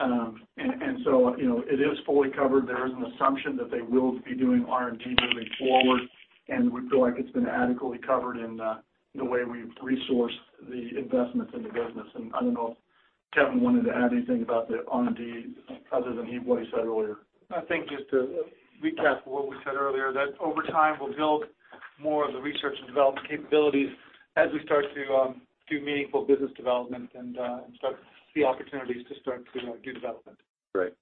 It is fully covered. There is an assumption that they will be doing R&D moving forward, and we feel like it's been adequately covered in the way we've resourced the investments in the business. I don't know if Kevin wanted to add anything about the R&D other than what he said earlier. I think, just to recap what we said earlier, that over time, we'll build more of the research and development capabilities as we start to do meaningful business development and start to see opportunities to start to do development. Great.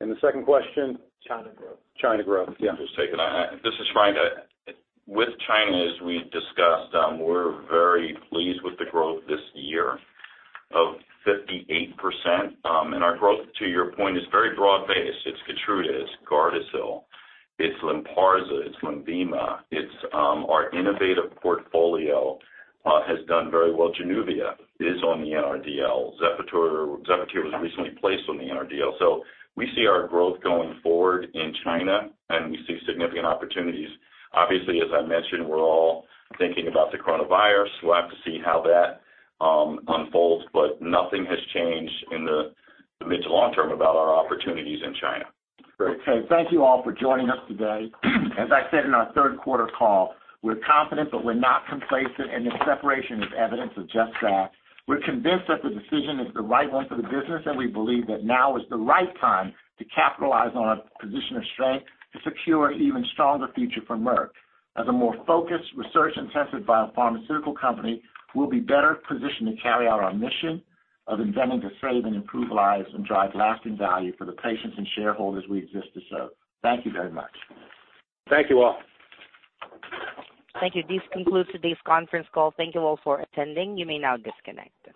The second question? China's growth. China's growth, yeah. I'll just take it. This is Frank. With China, as we discussed, we're very pleased with the growth this year of 58%. Our growth, to your point, is very broad-based. It's KEYTRUDA, it's GARDASIL, it's LYNPARZA, it's LENVIMA. Our innovative portfolio has done very well. JANUVIA is on the NRDL. ZEPATIER was recently placed on the NRDL. We see our growth going forward in China, and we see significant opportunities. Obviously, as I mentioned, we're all thinking about the coronavirus. We'll have to see how that unfolds. Nothing has changed in the mid to long term about our opportunities in China. Great. Okay. Thank you all for joining us today. As I said in our third quarter call, we're confident, but we're not complacent, and this separation is evidence of just that. We're convinced that the decision is the right one for the business, and we believe that now is the right time to capitalize on our position of strength to secure an even stronger future for Merck. As a more focused, research-intensive biopharmaceutical company, we'll be better positioned to carry out our mission of inventing to save and improve lives and drive lasting value for the patients and shareholders we exist to serve. Thank you very much. Thank you all. Thank you. This concludes today's conference call. Thank you all for attending. You may now disconnect.